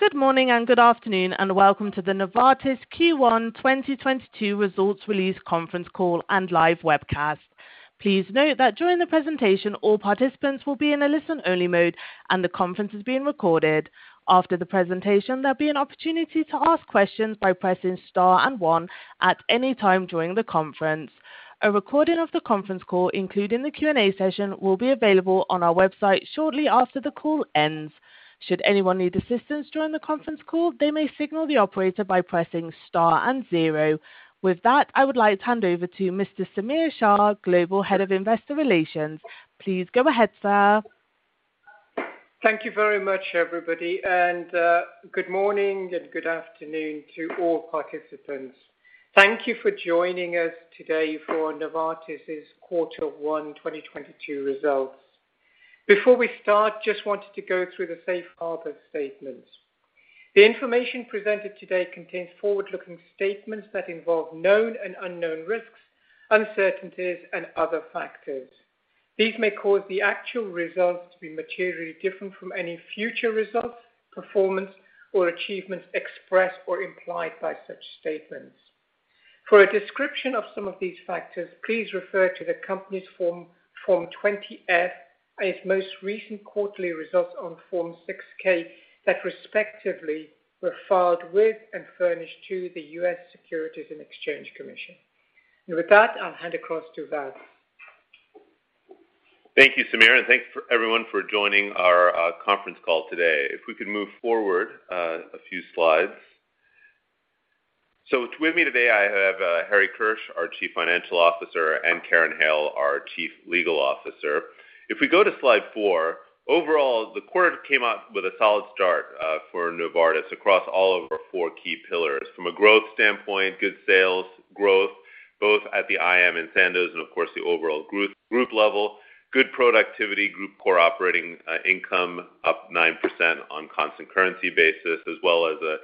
Good morning and good afternoon, and welcome to the Novartis Q1 2022 Results Release Conference Call and Live Webcast. Please note that during the presentation, all participants will be in a listen-only mode and the conference is being recorded. After the presentation, there'll be an opportunity to ask questions by pressing star and one at any time during the conference. A recording of the conference call, including the Q&A session, will be available on our website shortly after the call ends. Should anyone need assistance during the conference call, they may signal the operator by pressing Star and zero. With that, I would like to hand over to Mr. Samir Shah, Global Head of Investor Relations. Please go ahead, sir. Thank you very much, everybody, and good morning and good afternoon to all participants. Thank you for joining us today for Novartis's Quarter One 2022 Results. Before we start, just wanted to go through the Safe Harbor statement. The information presented today contains forward-looking statements that involve known and unknown risks, uncertainties and other factors. These may cause the actual results to be materially different from any future results, performance or achievements expressed or implied by such statements. For a description of some of these factors, please refer to the company's Form 20-F and its most recent quarterly results on Form 6-K that respectively were filed with and furnished to the US Securities and Exchange Commission. With that, I'll hand across to Vas. Thank you, Samir, and thanks for everyone for joining our conference call today. If we could move forward a few slides. So with me today, I have Harry Kirsch, our Chief Financial Officer, and Karen Hale, our Chief Legal Officer. If we go to slide four. Overall, the quarter came out with a solid start for Novartis across all of our four key pillars. From a growth standpoint, good sales growth, both at the IM and Sandoz and of course, the overall growth group level. Good productivity group core operating income up 9% on constant currency basis, as well as a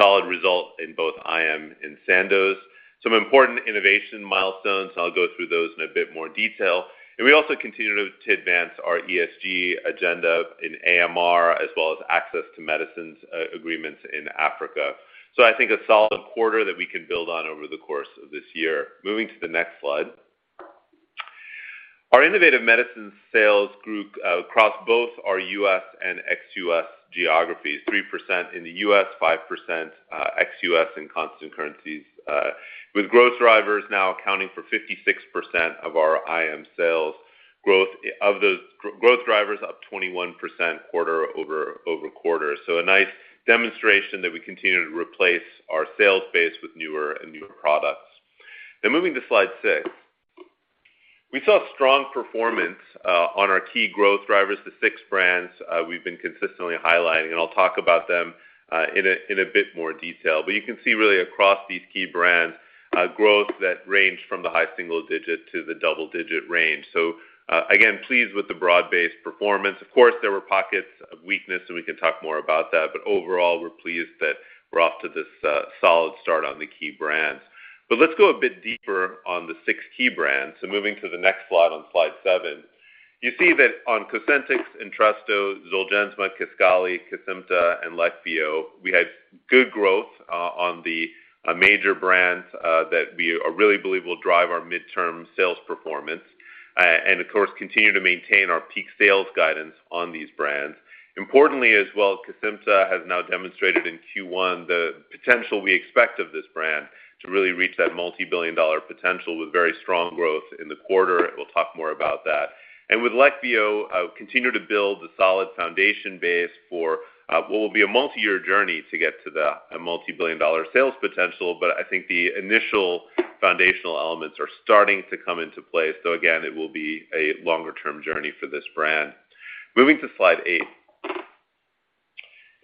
solid result in both IM and Sandoz. Some important innovation milestones. I'll go through those in a bit more detail. We also continue to advance our ESG agenda in AMR as well as access to medicines agreements in Africa. I think a solid quarter that we can build on over the course of this year. Moving to the next slide. Our Innovative Medicines sales group across both our U.S. and ex-U.S. geographies, 3% in the U.S., 5% ex-U.S. in constant currencies, with growth drivers now accounting for 56% of our IM sales growth. Of those growth drivers up 21% quarter over quarter. A nice demonstration that we continue to replace our sales base with newer and newer products. Now moving to slide six. We saw strong performance on our key growth drivers, the six brands we've been consistently highlighting, and I'll talk about them in a bit more detail. But you can see really across these key brands, growth that range from the high single digit to the double-digit range. Again, pleased with the broad-based performance. Of course, there were pockets of weakness, and we can talk more about that. Overall, we're pleased that we're off to this solid start on the key brands. Let's go a bit deeper on the six key brands. Moving to the next slide, on slide seven. You see that on Cosentyx, Entresto, Zolgensma, Kisqali, Kesimpta, and Leqvio, we had good growth on the major brands that we really believe will drive our midterm sales performance, and of course, continue to maintain our peak sales guidance on these brands. Importantly as well, Kesimpta has now demonstrated in Q1 the potential we expect of this brand to really reach that multi-billion-dollar potential with very strong growth in the quarter. We'll talk more about that. With Leqvio, continue to build the solid foundation base for what will be a multi-year journey to get to the multi-billion dollar sales potential. I think the initial foundational elements are starting to come into play. Again, it will be a longer-term journey for this brand. Moving to slide eight.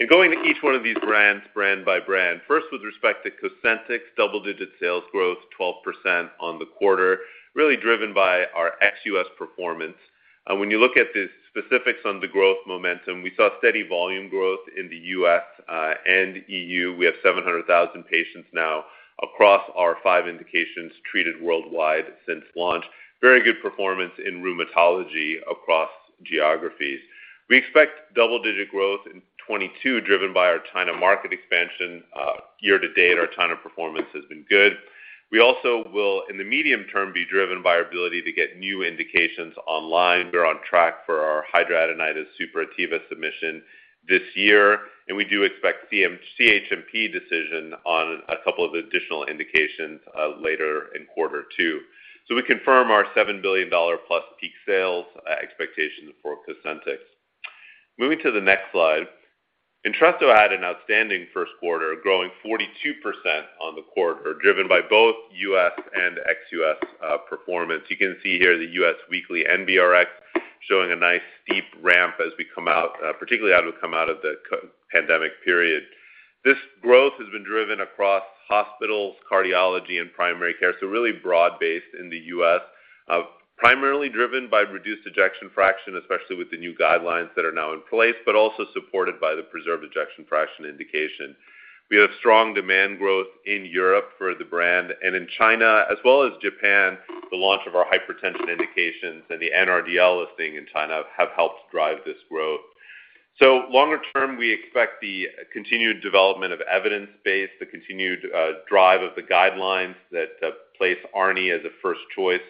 Going to each one of these brands, brand by brand. First, with respect to Cosentyx double-digit sales growth 12% on the quarter, really driven by our ex-U.S. performance. When you look at the specifics on the growth momentum, we saw steady volume growth in the U.S. and E.U. We have 700,000 patients now across our five indications treated worldwide since launch. Very good performance in rheumatology across geographies. We expect double-digit growth in 2022, driven by our China market expansion. Year to date, our China performance has been good. We also will, in the medium term, be driven by our ability to get new indications online. We're on track for our hidradenitis suppurativa submission this year, and we do expect CHMP decision on a couple of additional indications later in quarter two. We confirm our $7 billion+ peak sales expectations for Cosentyx. Moving to the next slide. Entresto had an outstanding first quarter, growing 42% on the quarter, driven by both U.S. and ex-U.S. performance. You can see here the U.S. weekly NBRx showing a nice steep ramp as we come out, particularly as we come out of the COVID-pandemic period. This growth has been driven across hospitals, cardiology and primary care. Really broad-based in the U.S., primarily driven by reduced ejection fraction, especially with the new guidelines that are now in place, but also supported by the preserved ejection fraction indication. We have strong demand growth in Europe for the brand and in China as well as Japan. The launch of our hypertension indications and the NRDL listing in China have helped drive this growth. Longer term, we expect the continued drive of the guidelines that place ARNI as a first choice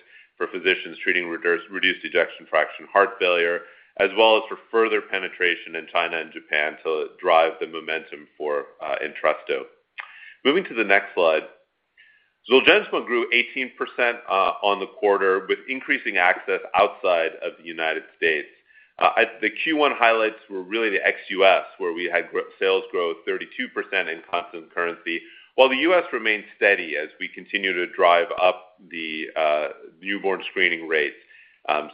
for physicians treating reduced ejection fraction heart failure, as well as for further penetration in China and Japan to drive the momentum for Entresto. Moving to the next slide. Zolgensma grew 18% in the quarter with increasing access outside of the United States. The Q1 highlights were really the ex-U.S., where we had sales growth 32% in constant currency, while the U.S. remained steady as we continue to drive up the newborn screening rates.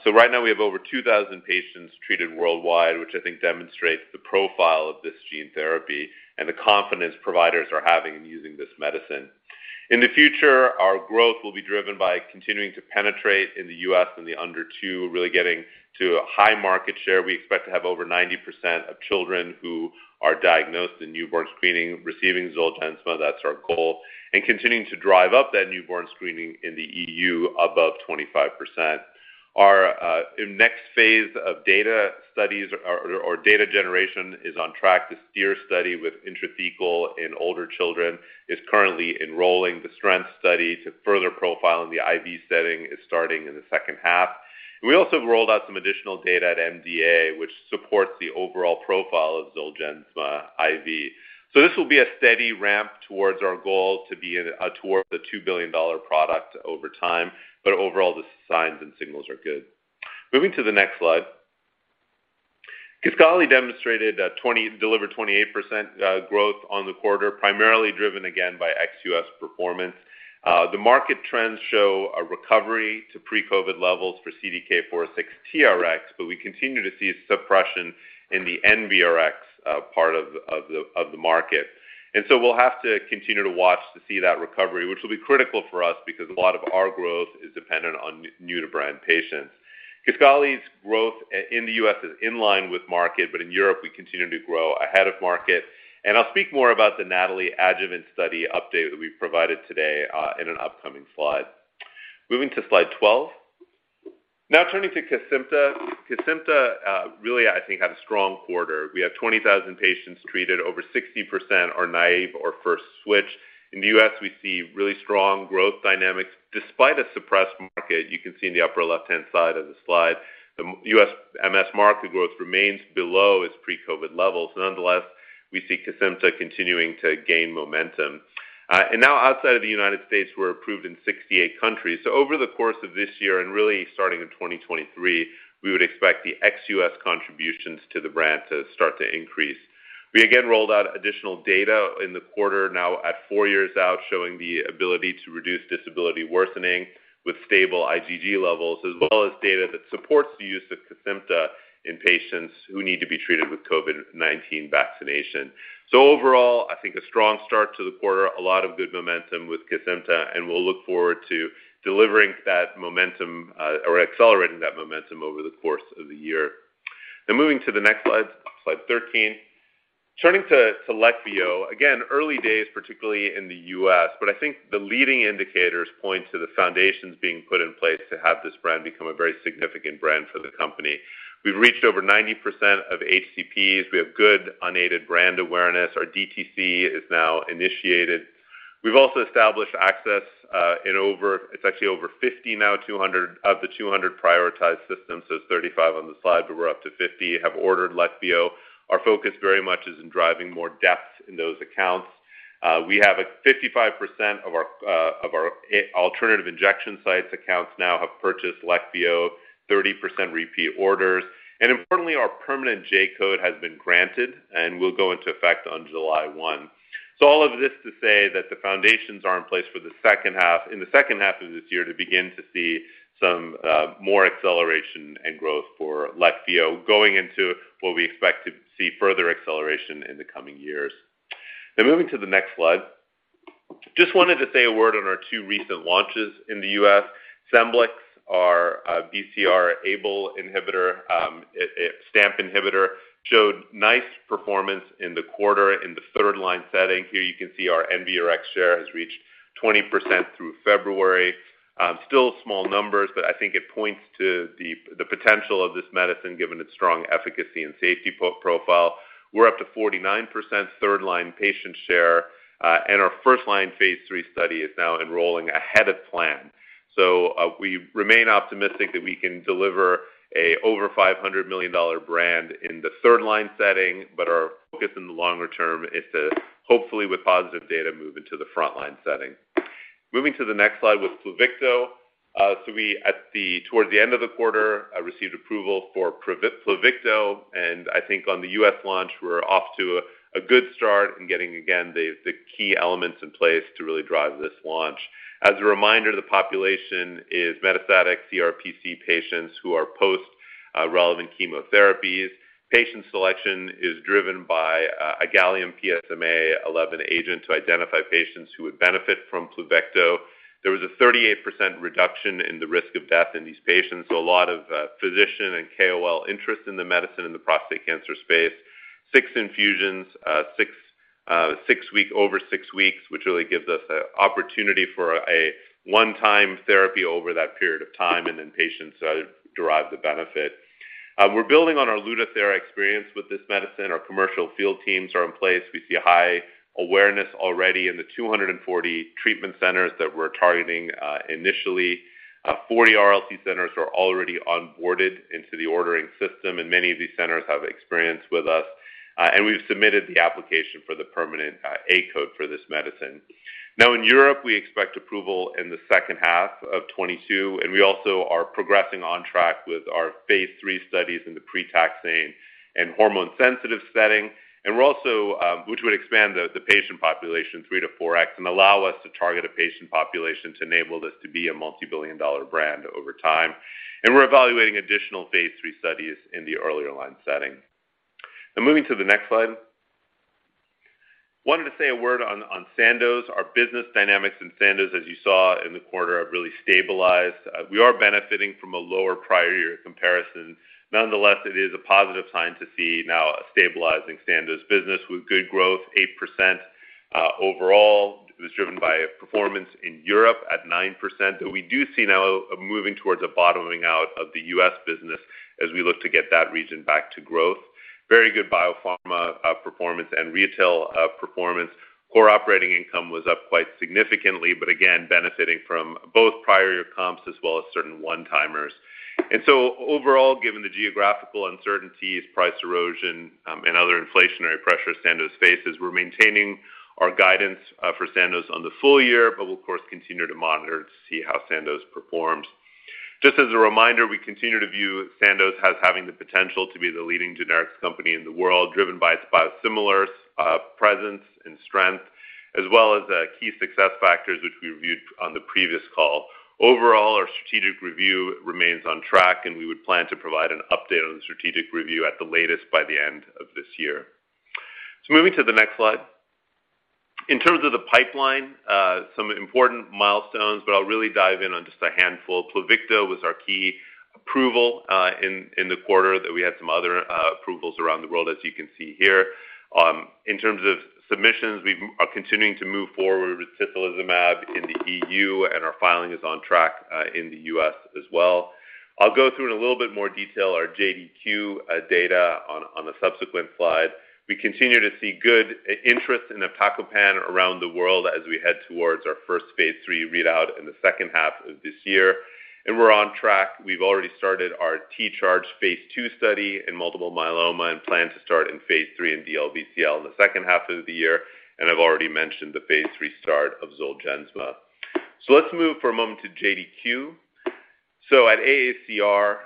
So right now we have over 2,000 patients treated worldwide, which I think demonstrates the profile of this gene therapy and the confidence providers are having in using this medicine. In the future, our growth will be driven by continuing to penetrate in the U.S. and the under two, really getting to a high market share. We expect to have over 90% of children who are diagnosed in newborn screening receiving Zolgensma. That's our goal. Continuing to drive up that newborn screening in the EU above 25%. Our next phase of data studies or data generation is on track. The STEER study with intrathecal in older children is currently enrolling. The STRENGTH study to further profile in the IV setting is starting in the second half. We also rolled out some additional data at MDA, which supports the overall profile of Zolgensma IV. This will be a steady ramp towards our goal towards a $2 billion product over time. Overall, the signs and signals are good. Moving to the next slide. Kisqali demonstrated delivered 28% growth on the quarter, primarily driven again by ex-U.S. performance. The market trends show a recovery to pre-COVID levels for CDK 4/6 TRx, but we continue to see a suppression in the NRx part of the market. We'll have to continue to watch to see that recovery, which will be critical for us because a lot of our growth is dependent on new to brand patients. Kisqali's growth in the U.S. is in line with market, but in Europe, we continue to grow ahead of market. I'll speak more about the NATALEE adjuvant study update that we've provided today in an upcoming slide. Moving to slide 12. Now turning to Kesimpta. Kesimpta really, I think, had a strong quarter. We had 20,000 patients treated, over 60% are naive or first switch. In the U.S., we see really strong growth dynamics despite a suppressed market. You can see in the upper left-hand side of the slide, the U.S. MS market growth remains below its pre-COVID levels. Nonetheless, we see Kesimpta continuing to gain momentum. Now outside of the United States, we're approved in 68 countries. Over the course of this year and really starting in 2023, we would expect the ex-U.S. contributions to the brand to start to increase. We again rolled out additional data in the quarter now at four years out, showing the ability to reduce disability worsening with stable IgG levels, as well as data that supports the use of Kesimpta in patients who need to be treated with COVID-19 vaccination. Overall, I think a strong start to the quarter, a lot of good momentum with Kesimpta, and we'll look forward to delivering that momentum or accelerating that momentum over the course of the year. Now moving to the next slide 13. Turning to Leqvio. Early days, particularly in the U.S., but I think the leading indicators point to the foundations being put in place to have this brand become a very significant brand for the company. We've reached over 90% of HCPs. We have good unaided brand awareness. Our DTC is now initiated. We've also established access in over—it's actually over 50 now out of the 200 prioritized systems. It's 35 on the slide, but we're up to 50, have ordered Leqvio. Our focus very much is in driving more depth in those accounts. We have 55% of our alternative injection sites accounts now have purchased Leqvio, 30% repeat orders. Importantly, our permanent J-code has been granted and will go into effect on July 1. All of this to say that the foundations are in place for the second half of this year to begin to see some more acceleration and growth for Leqvio going into what we expect to see further acceleration in the coming years. Now moving to the next slide. Just wanted to say a word on our two recent launches in the U.S. Scemblix, our BCR-ABL inhibitor, STAMP inhibitor, showed nice performance in the quarter in the third line setting. Here you can see our NBRx share has reached 20% through February. Still small numbers, but I think it points to the potential of this medicine given its strong efficacy and safety profile. We're up to 49% third line patient share, and our first line phase III study is now enrolling ahead of plan. We remain optimistic that we can deliver over $500 million brand in the third line setting, but our focus in the longer term is to, hopefully with positive data, move into the front line setting. Moving to the next slide with Pluvicto. We towards the end of the quarter received approval for Pluvicto, and I think on the U.S. launch, we're off to a good start and getting again the key elements in place to really drive this launch. As a reminder, the population is metastatic CRPC patients who are post relevant chemotherapies. Patient selection is driven by a gallium PSMA-11 agent to identify patients who would benefit from Pluvicto. There was a 38% reduction in the risk of death in these patients. A lot of physician and KOL interest in the medicine in the prostate cancer space. Six infusions over six weeks, which really gives us an opportunity for a one-time therapy over that period of time, and then patients derive the benefit. We're building on our Lutathera experience with this medicine. Our commercial field teams are in place. We see a high awareness already in the 240 treatment centers that we're targeting initially. 40 RLT centers are already onboarded into the ordering system, and many of these centers have experience with us. We've submitted the application for the permanent J-code for this medicine. Now, in Europe, we expect approval in the second half of 2022, and we also are progressing on track with our phase III studies in the pre-taxane and hormone-sensitive setting. We're also which would expand the patient population 3-4x and allow us to target a patient population to enable this to be a multi-billion-dollar brand over time. We're evaluating additional phase III studies in the earlier line setting. Moving to the next slide. Wanted to say a word on Sandoz. Our business dynamics in Sandoz, as you saw in the quarter, have really stabilized. We are benefiting from a lower prior year comparison. Nonetheless, it is a positive sign to see now a stabilizing Sandoz business with good growth, 8%, overall. It was driven by performance in Europe at 9%, but we do see now a moving towards a bottoming out of the U.S. business as we look to get that region back to growth. Very good biopharma performance and retail performance. Core operating income was up quite significantly, but again, benefiting from both prior year comps as well as certain one-timers. Overall, given the geographical uncertainties, price erosion, and other inflationary pressures Sandoz faces, we're maintaining our guidance for Sandoz on the full year, but we'll of course continue to monitor to see how Sandoz performs. Just as a reminder, we continue to view Sandoz as having the potential to be the leading generics company in the world, driven by its biosimilars presence and strength, as well as key success factors which we reviewed on the previous call. Overall, our strategic review remains on track, and we would plan to provide an update on the strategic review at the latest by the end of this year. Moving to the next slide. In terms of the pipeline, some important milestones, but I'll really dive in on just a handful. Pluvicto was our key approval in the quarter, that we had some other approvals around the world, as you can see here. In terms of submissions, we are continuing to move forward with Tislelizumab in the E.U., and our filing is on track in the U.S. as well. I'll go through in a little bit more detail our JDQ443 data on the subsequent slide. We continue to see good interest in avacopan around the world as we head towards our first phase III readout in the second half of this year. We're on track. We've already started our T-Charge phase II study in multiple myeloma and plan to start in phase III in DLBCL in the second half of the year. I've already mentioned the phase III start of Zolgensma. Let's move for a moment to JDQ443. At AACR,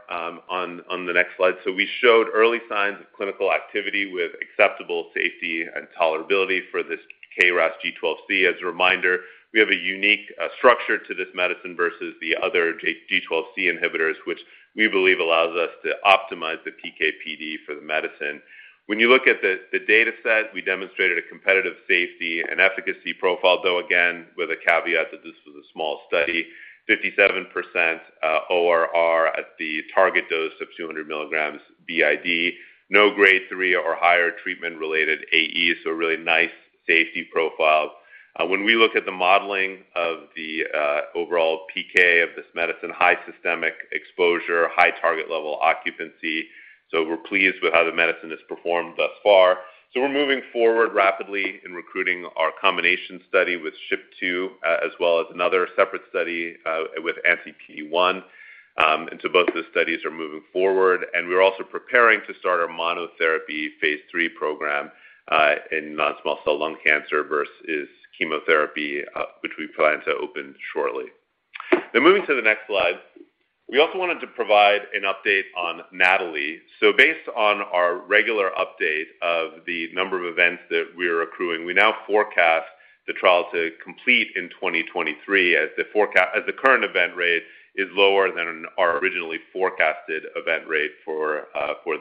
on the next slide, we showed early signs of clinical activity with acceptable safety and tolerability for this KRAS G12C. As a reminder, we have a unique structure to this medicine versus the other KRAS G12C inhibitors, which we believe allows us to optimize the PK/PD for the medicine. When you look at the data set, we demonstrated a competitive safety and efficacy profile, though again, with a caveat that this was a small study. 57% ORR at the target dose of 200 mg BID. No grade three or higher treatment-related AEs, so a really nice safety profile. When we look at the modeling of the overall PK of this medicine, high systemic exposure, high target level occupancy. We're pleased with how the medicine has performed thus far. We're moving forward rapidly in recruiting our combination study with SHP2, as well as another separate study with anti-PD-1. Both of those studies are moving forward. We're also preparing to start our monotherapy phase III program in non-small cell lung cancer versus chemotherapy, which we plan to open shortly. Now moving to the next slide. We also wanted to provide an update on NATALEE. Based on our regular update of the number of events that we're accruing, we now forecast the trial to complete in 2023, as the current event rate is lower than our originally forecasted event rate for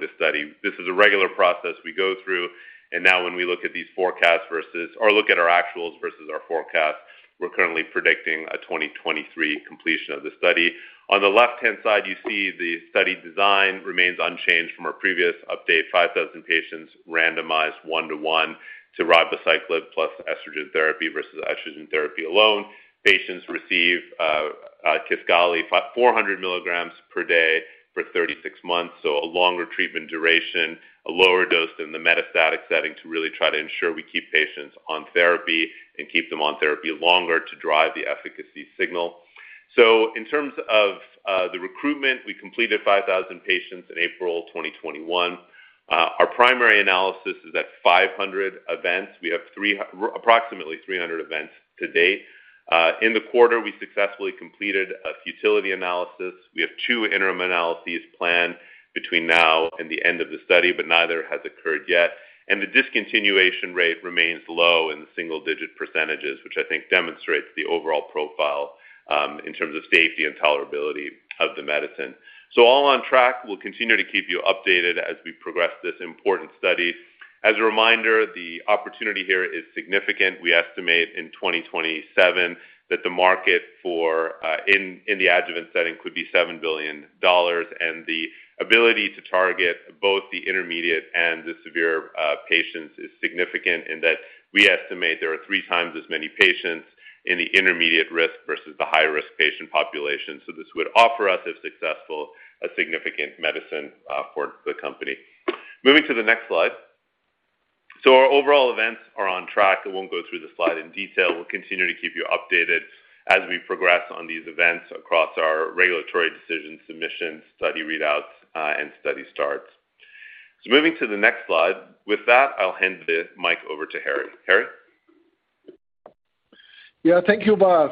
this study. This is a regular process we go through, and now when we look at these forecasts versus or look at our actuals versus our forecasts, we're currently predicting a 2023 completion of the study. On the left-hand side, you see the study design remains unchanged from our previous update. 5,000 patients randomized one to one to Ribociclib plus endocrine therapy versus endocrine therapy alone. Patients receive Kisqali 400 mg per day for 36 months, so a longer treatment duration, a lower dose than the metastatic setting to really try to ensure we keep patients on therapy and keep them on therapy longer to drive the efficacy signal. In terms of the recruitment, we completed 5,000 patients in April 2021. Our primary analysis is at 500 events. We have approximately 300 events to date. In the quarter, we successfully completed a futility analysis. We have two interim analyses planned between now and the end of the study, but neither has occurred yet. The discontinuation rate remains low in the single-digit %, which I think demonstrates the overall profile in terms of safety and tolerability of the medicine. All on track. We'll continue to keep you updated as we progress this important study. As a reminder, the opportunity here is significant. We estimate in 2027 that the market for in the adjuvant setting could be $7 billion, and the ability to target both the intermediate and the severe patients is significant in that we estimate there are three times as many patients in the intermediate risk versus the high-risk patient population. This would offer us, if successful, a significant medicine for the company. Moving to the next slide. Our overall events are on track. I won't go through the slide in detail. We'll continue to keep you updated as we progress on these events across our regulatory decision submissions, study readouts, and study starts. Moving to the next slide. With that, I'll hand the mic over to Harry. Harry? Yeah, thank you, Vas.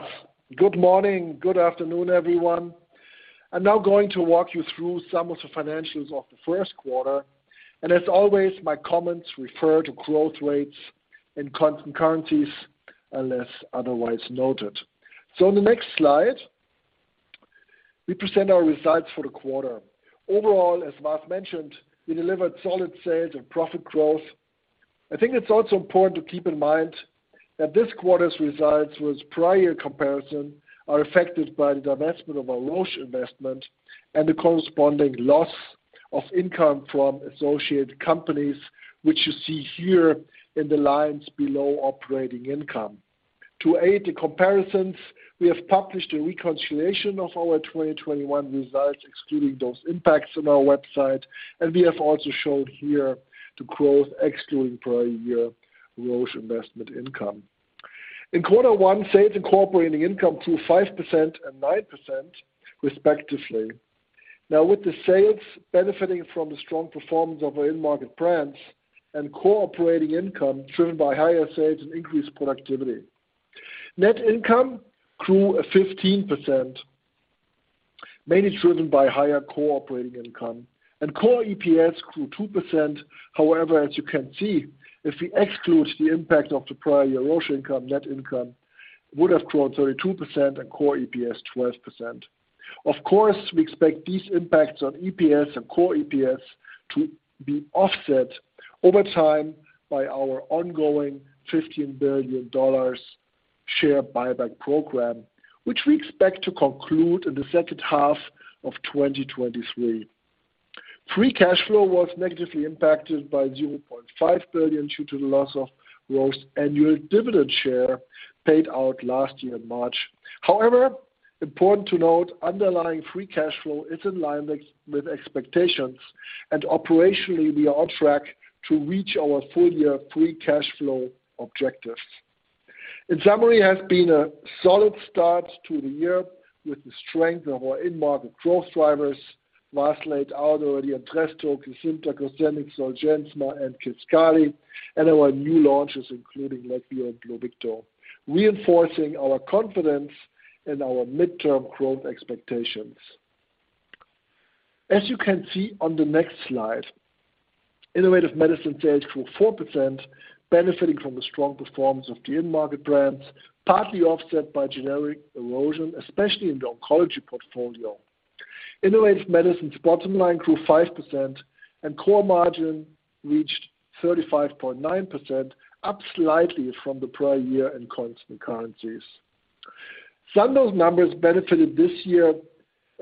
Good morning, good afternoon, everyone. I'm now going to walk you through some of the financials of the first quarter. As always, my comments refer to growth rates in constant currencies unless otherwise noted. On the next slide, we present our results for the quarter. Overall, as Vas mentioned, we delivered solid sales and profit growth. I think it's also important to keep in mind that this quarter's results with prior comparison are affected by the divestment of our Roche investment and the corresponding loss of income from associated companies, which you see here in the lines below operating income. To aid the comparisons, we have published a reconciliation of our 2021 results, excluding those impacts on our website, and we have also shown here the growth excluding prior year Roche investment income. In quarter one, sales and core operating income grew 5% and 9% respectively, with the sales benefiting from the strong performance of our in-market brands and core operating income driven by higher sales and increased productivity. Net income grew 15%, mainly driven by higher core operating income. Core EPS grew 2%. However, as you can see, if we exclude the impact of the prior year Roche income, net income would have grown 32% and core EPS 12%. Of course, we expect these impacts on EPS and core EPS to be offset over time by our ongoing $15 billion share buyback program, which we expect to conclude in the second half of 2023. Free cash flow was negatively impacted by $0.5 billion due to the loss of Roche annual dividend share paid out last year in March. However, important to note, underlying free cash flow is in line with expectations, and operationally, we are on track to reach our full-year free cash flow objectives. In summary, it has been a solid start to the year with the strength of our end market growth drivers. Vas laid out already Entresto, Cosentyx, Goserelin, Zolgensma, and Kisqali, and our new launches including Leqvio and Pluvicto, reinforcing our confidence in our midterm growth expectations. As you can see on the next slide, Innovative Medicine sales grew 4%, benefiting from the strong performance of the end market brands, partly offset by generic erosion, especially in the oncology portfolio. Innovative Medicine's bottom line grew 5% and core margin reached 35.9%, up slightly from the prior year in constant currencies. Sandoz numbers benefited this year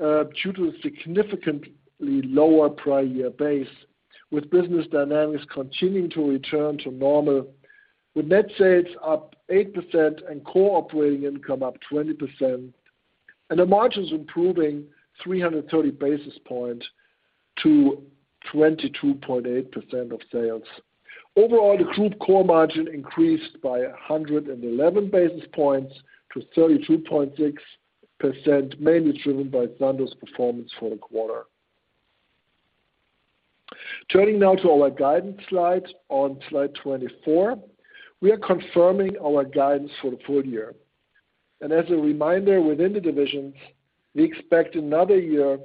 due to a significantly lower prior year base, with business dynamics continuing to return to normal, with net sales up 8% and core operating income up 20% and the margins improving 330 basis points to 22.8% of sales. Overall, the group core margin increased by 111 basis points to 32.6%, mainly driven by Sandoz performance for the quarter. Turning now to our guidance slide on slide 24. We are confirming our guidance for the full year. As a reminder within the divisions, we expect another year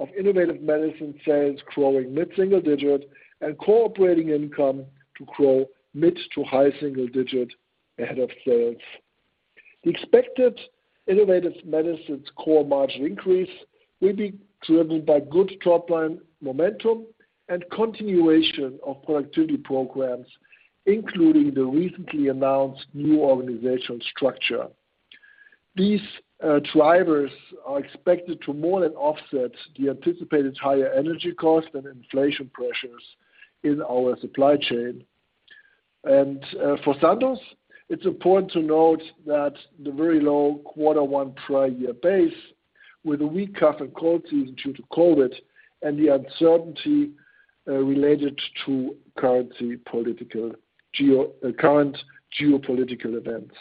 of Innovative Medicine sales growing mid-single-digit and core operating income to grow mid- to high-single-digit ahead of sales. The expected Innovative Medicines core margin increase will be driven by good top line momentum and continuation of productivity programs, including the recently announced new organizational structure. These drivers are expected to more than offset the anticipated higher energy costs and inflation pressures in our supply chain. For Sandoz, it's important to note that the very low quarter one prior year base with a weak cough and cold season due to COVID and the uncertainty related to current geopolitical events.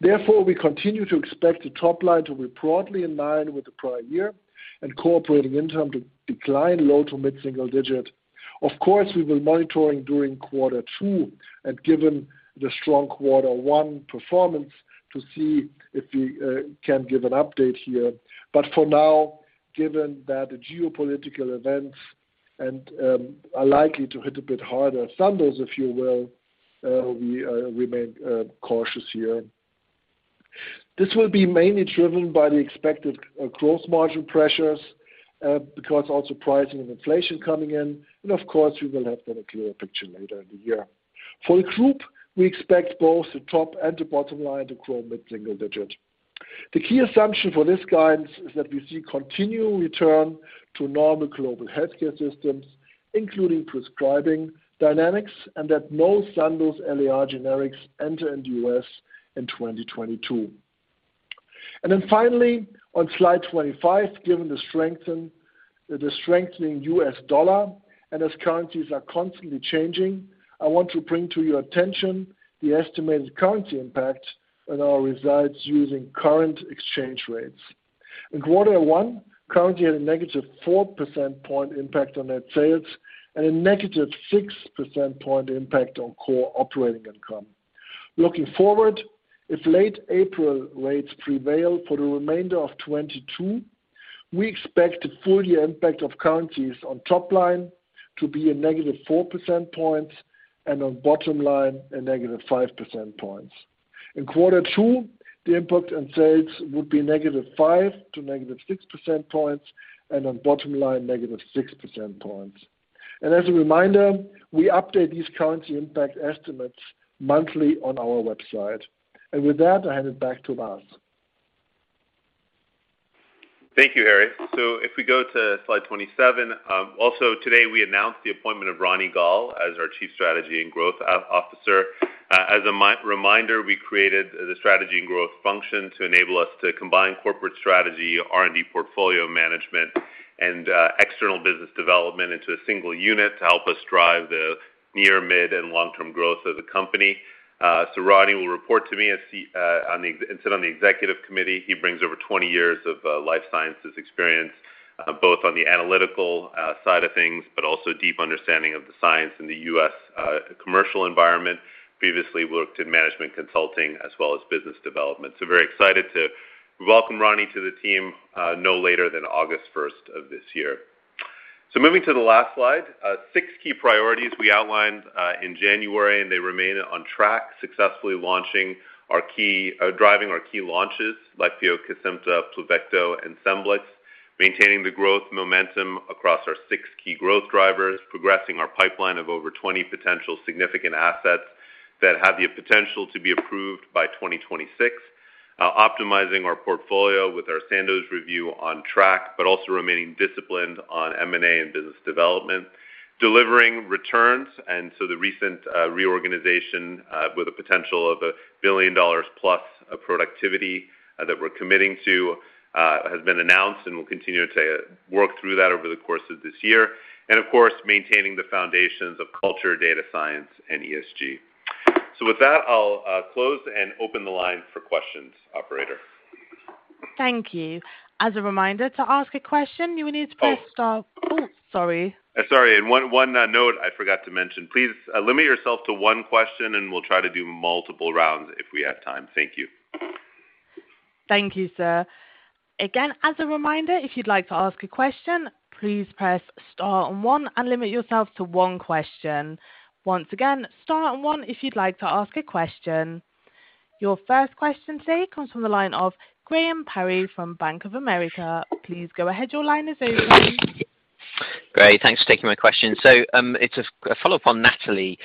Therefore, we continue to expect the top line to be broadly in line with the prior year and core operating income to decline low- to mid-single-digit%. Of course, we will be monitoring during quarter two and given the strong quarter one performance to see if we can give an update here. For now, given that the geopolitical events and are likely to hit a bit harder at Sandoz, if you will, we remain cautious here. This will be mainly driven by the expected growth margin pressures because also pricing and inflation coming in, and of course, we will have then a clearer picture later in the year. For the group, we expect both the top and the bottom line to grow mid-single digit. The key assumption for this guidance is that we see continual return to normal global healthcare systems, including prescribing dynamics, and that no Sandostatin LAR generics enter in the U.S. in 2022. Finally, on slide 25, given the strengthening U.S. dollar and as currencies are constantly changing, I want to bring to your attention the estimated currency impact on our results using current exchange rates. In quarter one, currency had a negative 4 percentage point impact on net sales and a -6 percentage point impact on core operating income. Looking forward, if late April rates prevail for the remainder of 2022, we expect the full year impact of currencies on top line to be a -4 percentage points and on bottom line a -5 percentage points. In quarter two, the impact on sales would be -5 to -6 percentage points and on bottom line -6 percentage points. As a reminder, we update these currency impact estimates monthly on our website. With that, I hand it back to Vas. Thank you, Harry. If we go to slide 27, also today we announced the appointment of Ronny Gal as our Chief Strategy and Growth Officer. As a reminder, we created the strategy and growth function to enable us to combine corporate strategy, R&D portfolio management and external business development into a single unit to help us drive the near mid and long-term growth of the company. Ronnie will report to me and sit on the Executive Committee. He brings over 20 years of life sciences experience, both on the analytical side of things, but also deep understanding of the science in the U.S. commercial environment. Previously worked in management consulting as well as business development. Very excited to welcome Ronnie to the team, no later than August first of this year. Moving to the last slide, six key priorities we outlined in January, and they remain on track, successfully launching our key or driving our key launches like Beovu, Kesimpta, Pluvicto and Scemblix, maintaining the growth momentum across our six key growth drivers, progressing our pipeline of over 20 potential significant assets that have the potential to be approved by 2026. Optimizing our portfolio with our Sandoz review on track, but also remaining disciplined on M&A and business development. Delivering returns, the recent reorganization with a potential of $1 billion+ of productivity that we're committing to has been announced and we'll continue to work through that over the course of this year. Of course, maintaining the foundations of culture, data science and ESG. With that, I'll close and open the line for questions, operator. Thank you. As a reminder to ask a question, you will need to press star... Oh, sorry. Sorry. One note I forgot to mention. Please limit yourself to one question, and we'll try to do multiple rounds if we have time. Thank you. Thank you, sir. Again, as a reminder, if you'd like to ask a question, please press star and one and limit yourself to one question. Once again, star and one if you'd like to ask a question. Your first question today comes from the line of Graham Parry from Bank of America. Please go ahead. Your line is open. Great. Thanks for taking my question. It's a follow-up on NATALEE.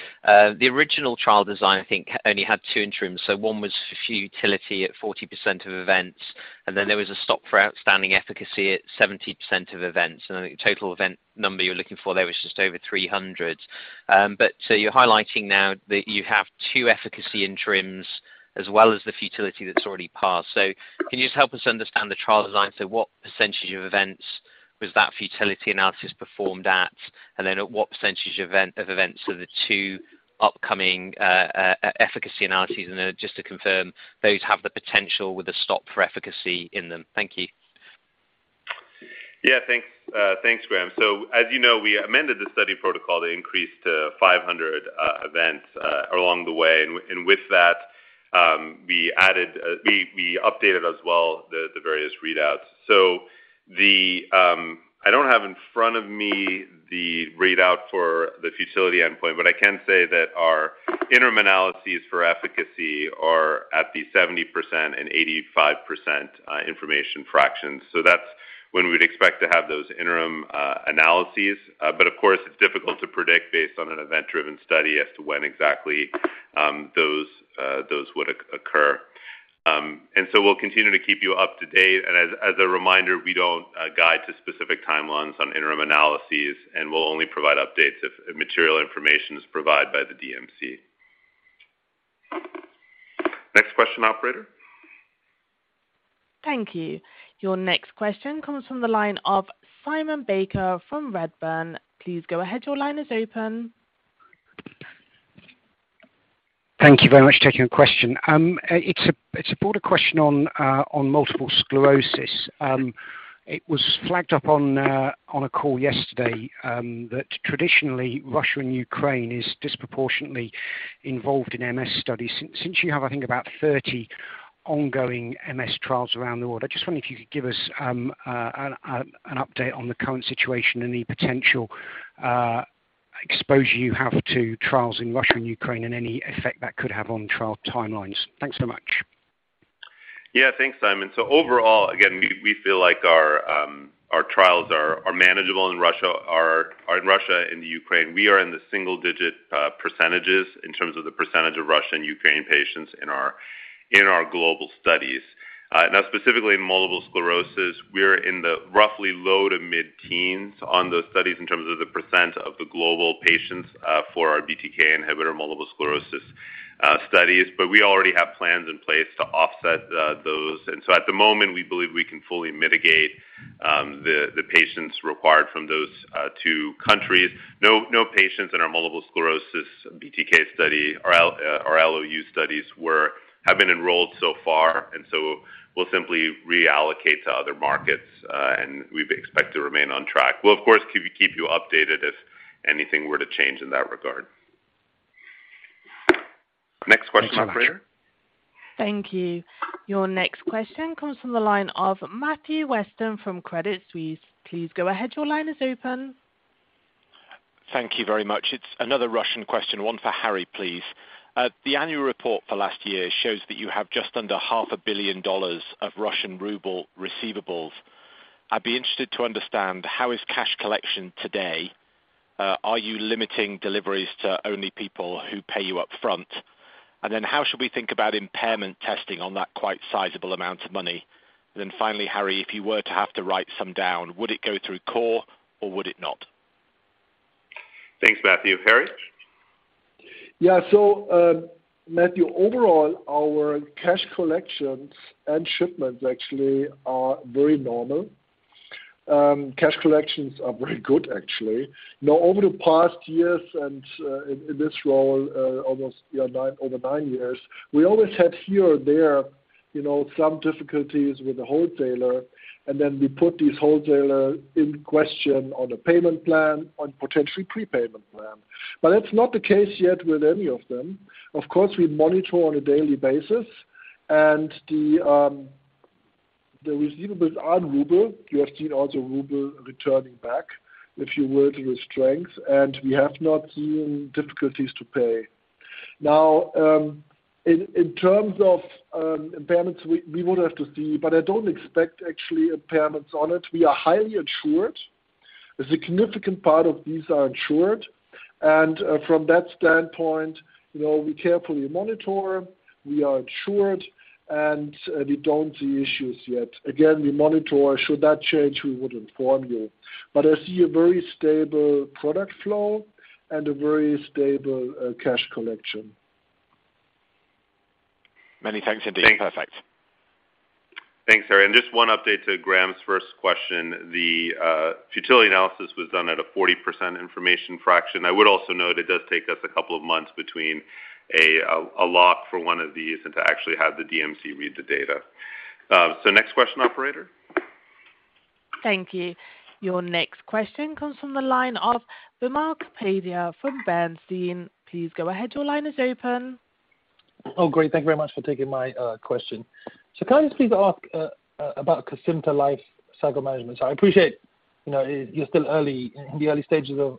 The original trial design, I think only had two interims, so one was for futility at 40% of events, and then there was a stop for outstanding efficacy at 70% of events. I think the total event number you're looking for there was just over 300. But you're highlighting now that you have two efficacy interims as well as the futility that's already passed. Can you just help us understand the trial design? What percentage of events was that futility analysis performed at? And then at what percentage of events are the two upcoming efficacy analyses? And then just to confirm those have the potential with the stop for efficacy in them. Thank you. Yeah, thanks. Thanks, Graham. As you know, we amended the study protocol to increase to 500 events along the way. With that, we added, we updated as well the various readouts. I don't have in front of me the readout for the futility endpoint, but I can say that our interim analyses for efficacy are at the 70% and 85% information fractions. That's when we'd expect to have those interim analyses. Of course, it's difficult to predict based on an event-driven study as to when exactly those would occur. We'll continue to keep you up to date. As a reminder, we don't guide to specific timelines on interim analyses, and we'll only provide updates if material information is provided by the DMC. Next question, operator. Thank you. Your next question comes from the line of Simon Baker from Redburn. Please go ahead. Your line is open. Thank you very much for taking the question. It's a broader question on multiple sclerosis. It was flagged up on a call yesterday that traditionally Russia and Ukraine is disproportionately involved in MS studies. Since you have, I think, about 30 ongoing MS trials around the world, I just wonder if you could give us an update on the current situation and the potential exposure do you have to trials in Russia and Ukraine and any effect that could have on trial timelines? Thanks so much. Yeah, thanks Simon. Overall, again, we feel like our trials are manageable in Russia or in the Ukraine. We are in the single-digit percentages in terms of the percentage of Russian, Ukraine patients in our global studies. Now specifically in multiple sclerosis, we're in the roughly low- to mid-teens on those studies in terms of the percent of the global patients for our BTK inhibitor multiple sclerosis studies. We already have plans in place to offset those. At the moment, we believe we can fully mitigate the patients required from those two countries. No, no patients in our multiple sclerosis BTK study or our LOU064 studies have been enrolled so far, and so we'll simply reallocate to other markets, and we expect to remain on track. We'll of course keep you updated if anything were to change in that regard. Next question, operator. Thanks so much. Thank you. Your next question comes from the line of Matthew Weston from Credit Suisse. Please go ahead. Your line is open. Thank you very much. It's another Russian question, one for Harry, please. The annual report for last year shows that you have just under half a billion dollars of Russian ruble receivables. I'd be interested to understand how cash collection is today. Are you limiting deliveries to only people who pay you up front? And then how should we think about impairment testing on that quite sizable amount of money? And then finally, Harry, if you were to have to write some down, would it go through core or would it not? Thanks, Matthew. Harry? Yeah. Matthew Weston, overall, our cash collections and shipments actually are very normal. Cash collections are very good actually. Now, over the past years and in this role, almost over nine years, we always had here or there, you know, some difficulties with the wholesaler, and then we put this wholesaler in question on a payment plan, on potentially prepayment plan. That's not the case yet with any of them. Of course, we monitor on a daily basis and the receivables are ruble. You have seen also ruble returning back, if you will, to the strength, and we have not seen difficulties to pay. Now, in terms of impairments, we would have to see, but I don't expect actually impairments on it. We are highly insured. A significant part of these are insured, and, from that standpoint, you know, we carefully monitor, we are insured and we don't see issues yet. Again, we monitor. Should that change, we would inform you. I see a very stable product flow and a very stable cash collection. Many thanks indeed. Thanks. Perfect. Thanks, Harry. Just one update to Graham's first question. The futility analysis was done at a 40% information fraction. I would also note it does take us a couple of months between a lock for one of these and to actually have the DMC read the data. Next question, operator. Thank you. Your next question comes from the line of Wimal Kapadia from Bernstein. Please go ahead. Your line is open. Oh, great. Thank you very much for taking my question. Can I just please ask about Cosentyx life cycle management? I appreciate, you know, you're still early in the early stages of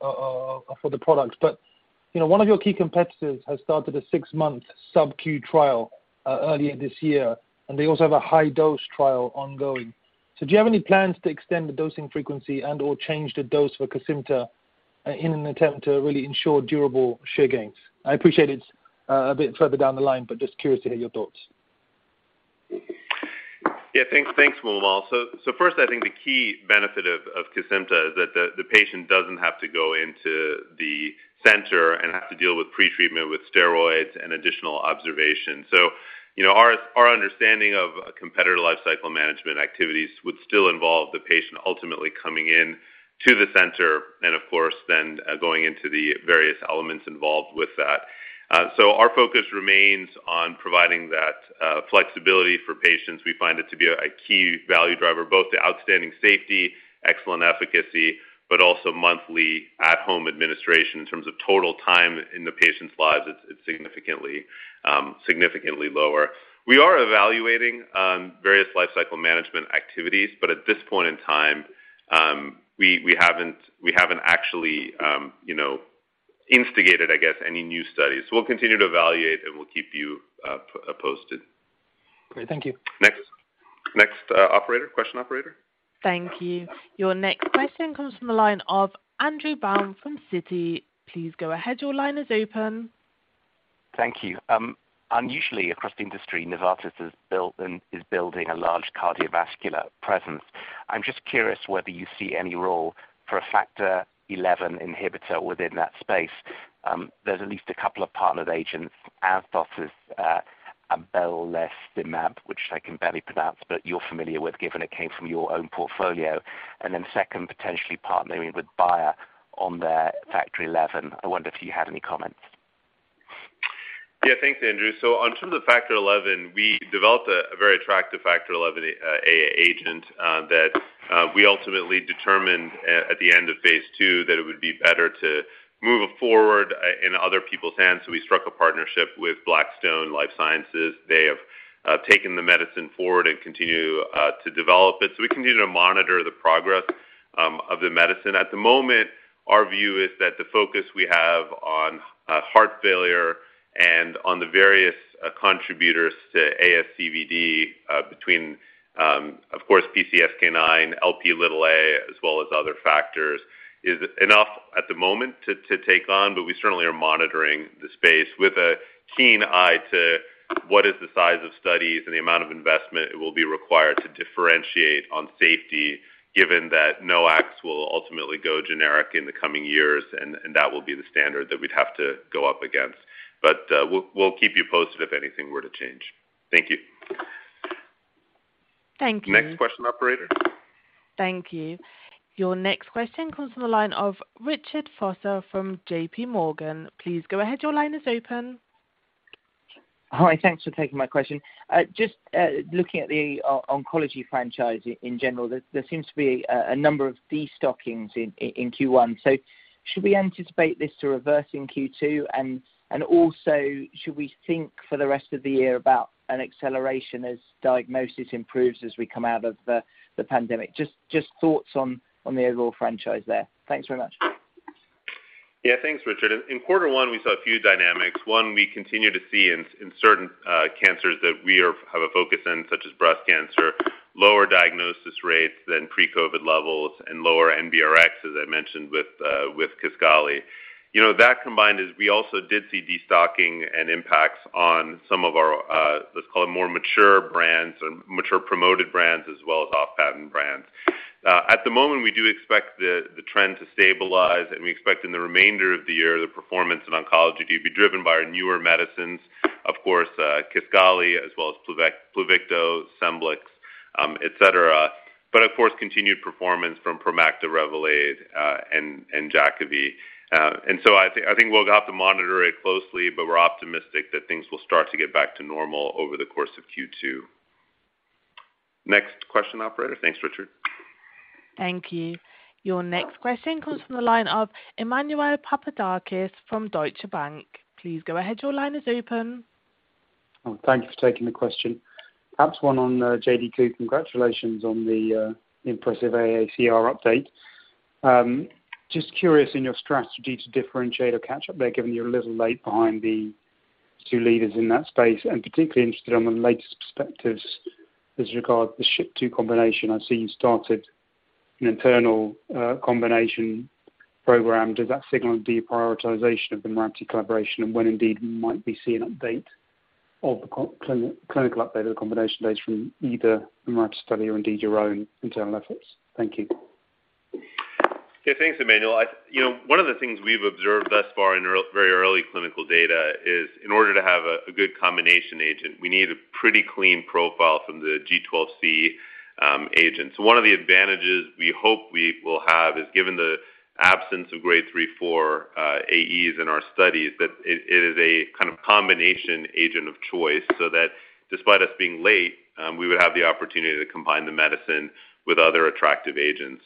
for the product. You know, one of your key competitors has started a six month sub-Q trial earlier this year, and they also have a high dose trial ongoing. Do you have any plans to extend the dosing frequency and or change the dose for Cosentyx in an attempt to really ensure durable share gains? I appreciate it a bit further down the line, but just curious to hear your thoughts. Yeah, thanks. Thanks, Wimal. First, I think the key benefit of Cosentyx is that the patient doesn't have to go into the center and have to deal with pre-treatment with steroids and additional observation. Our understanding of competitor life cycle management activities would still involve the patient ultimately coming into the center and of course then going into the various elements involved with that. Our focus remains on providing that flexibility for patients. We find it to be a key value driver, both the outstanding safety, excellent efficacy, but also monthly at-home administration. In terms of total time in the patient's lives, it's significantly lower. We are evaluating various life cycle management activities, but at this point in time, we haven't actually, you know, instigated, I guess, any new studies. We'll continue to evaluate and we'll keep you posted. Great. Thank you. Next, operator. Question, operator. Thank you. Your next question comes from the line of Andrew Baum from Citi. Please go ahead. Your line is open. Thank you. Unusually across the industry, Novartis has built and is building a large cardiovascular presence. I'm just curious whether you see any role for a factor eleven inhibitor within that space. There's at least a couple of partnered agents, Amgen's abelacimab, which I can barely pronounce, but you're familiar with, given it came from your own portfolio. Second, potentially partnering with Bayer on their factor eleven. I wonder if you have any comments. Yeah, thanks, Andrew. In terms of Factor XI, we developed a very attractive Factor XI agent that we ultimately determined at the end of phase II that it would be better to move it forward in other people's hands. We struck a partnership with Blackstone Life Sciences. They are taking the medicine forward and continuing to develop it. We continue to monitor the progress of the medicine. At the moment, our view is that the focus we have on heart failure and on the various contributors to ASCVD between of course PCSK9, Lp(a), as well as other factors, is enough at the moment to take on, but we certainly are monitoring the space with a keen eye to what is the size of studies and the amount of investment it will be required to differentiate on safety, given that NOACs will ultimately go generic in the coming years, and that will be the standard that we'd have to go up against. We'll keep you posted if anything were to change. Thank you. Thank you. Next question, operator. Thank you. Your next question comes from the line of Richard Vosser from JP Morgan. Please go ahead. Your line is open. Hi. Thanks for taking my question. Just looking at the Oncology franchise in general, there seems to be a number of destockings in Q1. Should we anticipate this to reverse in Q2? Also, should we think for the rest of the year about an acceleration as diagnosis improves as we come out of the pandemic? Just thoughts on the overall franchise there. Thanks very much. Thanks, Richard. In quarter one, we saw a few dynamics. One, we continue to see in certain cancers that we have a focus in, such as breast cancer, lower diagnosis rates than pre-COVID levels and lower NBRX, as I mentioned with Kisqali. You know, that combined is we also did see destocking and impacts on some of our, let's call it more mature brands or mature promoted brands as well as off-patent brands. At the moment, we do expect the trend to stabilize, and we expect in the remainder of the year the performance in oncology to be driven by our newer medicines, of course, Kisqali as well as Pluvicto, Scemblix, et cetera. Of course, continued performance from Promacta, Revolade, and Jakavi. I think we'll have to monitor it closely, but we're optimistic that things will start to get back to normal over the course of Q2. Next question, operator. Thanks, Richard. Thank you. Your next question comes from the line of Emmanuel Papadakis from Deutsche Bank. Please go ahead. Your line is open. Oh, thank you for taking the question. Perhaps one on JDQ. Congratulations on the impressive AACR update. Just curious about your strategy to differentiate or catch up there, given you're a little late behind the two leaders in that space, and particularly interested on the latest perspectives as regards the SHP2 combination. I see you started an internal combination program. Does that signal deprioritization of the Mirati collaboration? And when indeed we might be seeing update of the clinical update of the combination data from either Mirati study or indeed your own internal efforts? Thank you. Yeah. Thanks, Emmanuel. You know, one of the things we've observed thus far in very early clinical data is in order to have a good combination agent, we need a pretty clean profile from the G12C agent. One of the advantages we hope we will have is given the absence of grade 3, 4 AEs in our studies, that it is a kind of combination agent of choice, so that despite us being late, we would have the opportunity to combine the medicine with other attractive agents.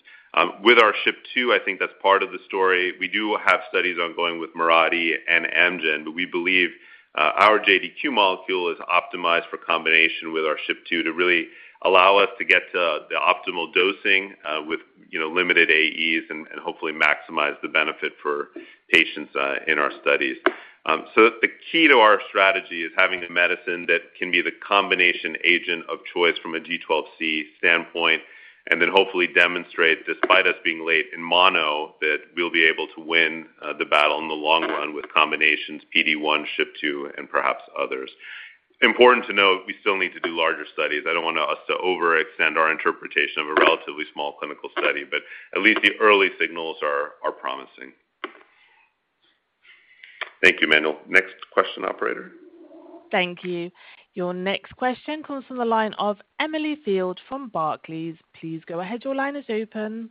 With our SHP2, I think that's part of the story. We do have studies ongoing with Mirati and Amgen, but we believe our JDQ443 molecule is optimized for combination with our SHP2 to really allow us to get to the optimal dosing with you know limited AEs and hopefully maximize the benefit for patients in our studies. The key to our strategy is having the medicine that can be the combination agent of choice from a G12C standpoint, and then hopefully demonstrate despite us being late in mono that we'll be able to win the battle in the long run with combinations PD-1, SHP2, and perhaps others. Important to note, we still need to do larger studies. I don't want us to overextend our interpretation of a relatively small clinical study, but at least the early signals are promising. Thank you, Emmanuel. Next question, operator. Thank you. Your next question comes from the line of Emily Field from Barclays. Please go ahead. Your line is open.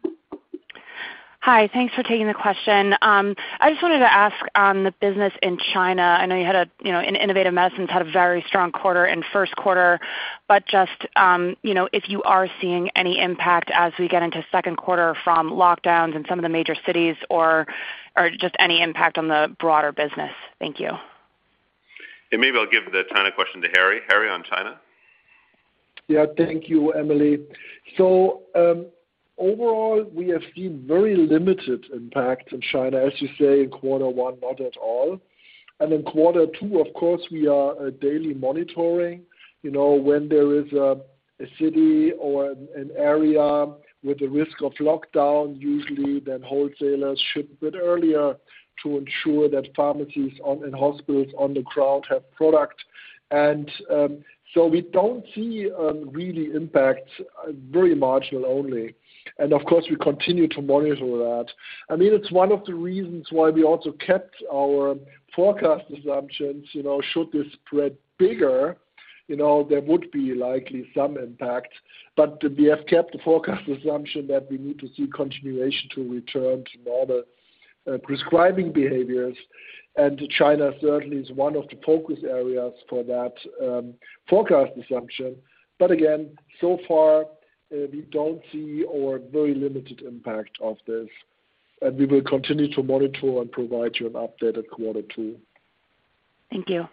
Hi. Thanks for taking the question. I just wanted to ask on the business in China. I know you had a, you know, in Innovative Medicines had a very strong quarter in first quarter, but just, you know, if you are seeing any impact as we get into second quarter from lockdowns in some of the major cities or just any impact on the broader business. Thank you. Maybe I'll give the China question to Harry. Harry, on China. Yeah. Thank you, Emily. Overall, we have seen very limited impact in China. As you say, in quarter one, not at all. In quarter two, of course, we are daily monitoring. You know, when there is a city or an area with a risk of lockdown, usually then wholesalers ship a bit earlier to ensure that pharmacies in hospitals on the ground have product. We don't see really impact, very marginal only. Of course, we continue to monitor that. I mean, it's one of the reasons why we also kept our forecast assumptions. You know, should this spread bigger, you know, there would be likely some impact. We have kept the forecast assumption that we need to see continuation to return to normal, prescribing behaviors. China certainly is one of the focus areas for that, forecast assumption. Again, so far, we don't see or very limited impact of this. We will continue to monitor and provide you an update at quarter two. Thank you.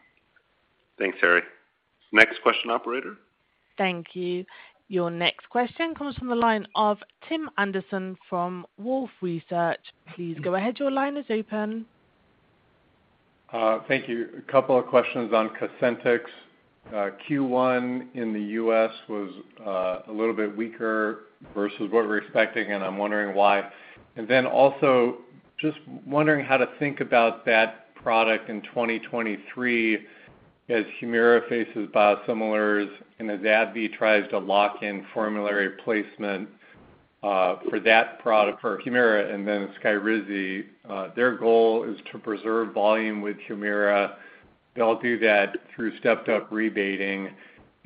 Thanks, Harry. Next question, operator. Thank you. Your next question comes from the line of Tim Anderson from Wolfe Research. Please go ahead. Your line is open. Thank you. A couple of questions on Cosentyx. Q1 in the U.S. was a little bit weaker versus what we're expecting, and I'm wondering why. Then also just wondering how to think about that product in 2023 as Humira faces biosimilars and as AbbVie tries to lock in formulary placement for that product for Humira and then Skyrizi, their goal is to preserve volume with Humira. They'll do that through stepped up rebating.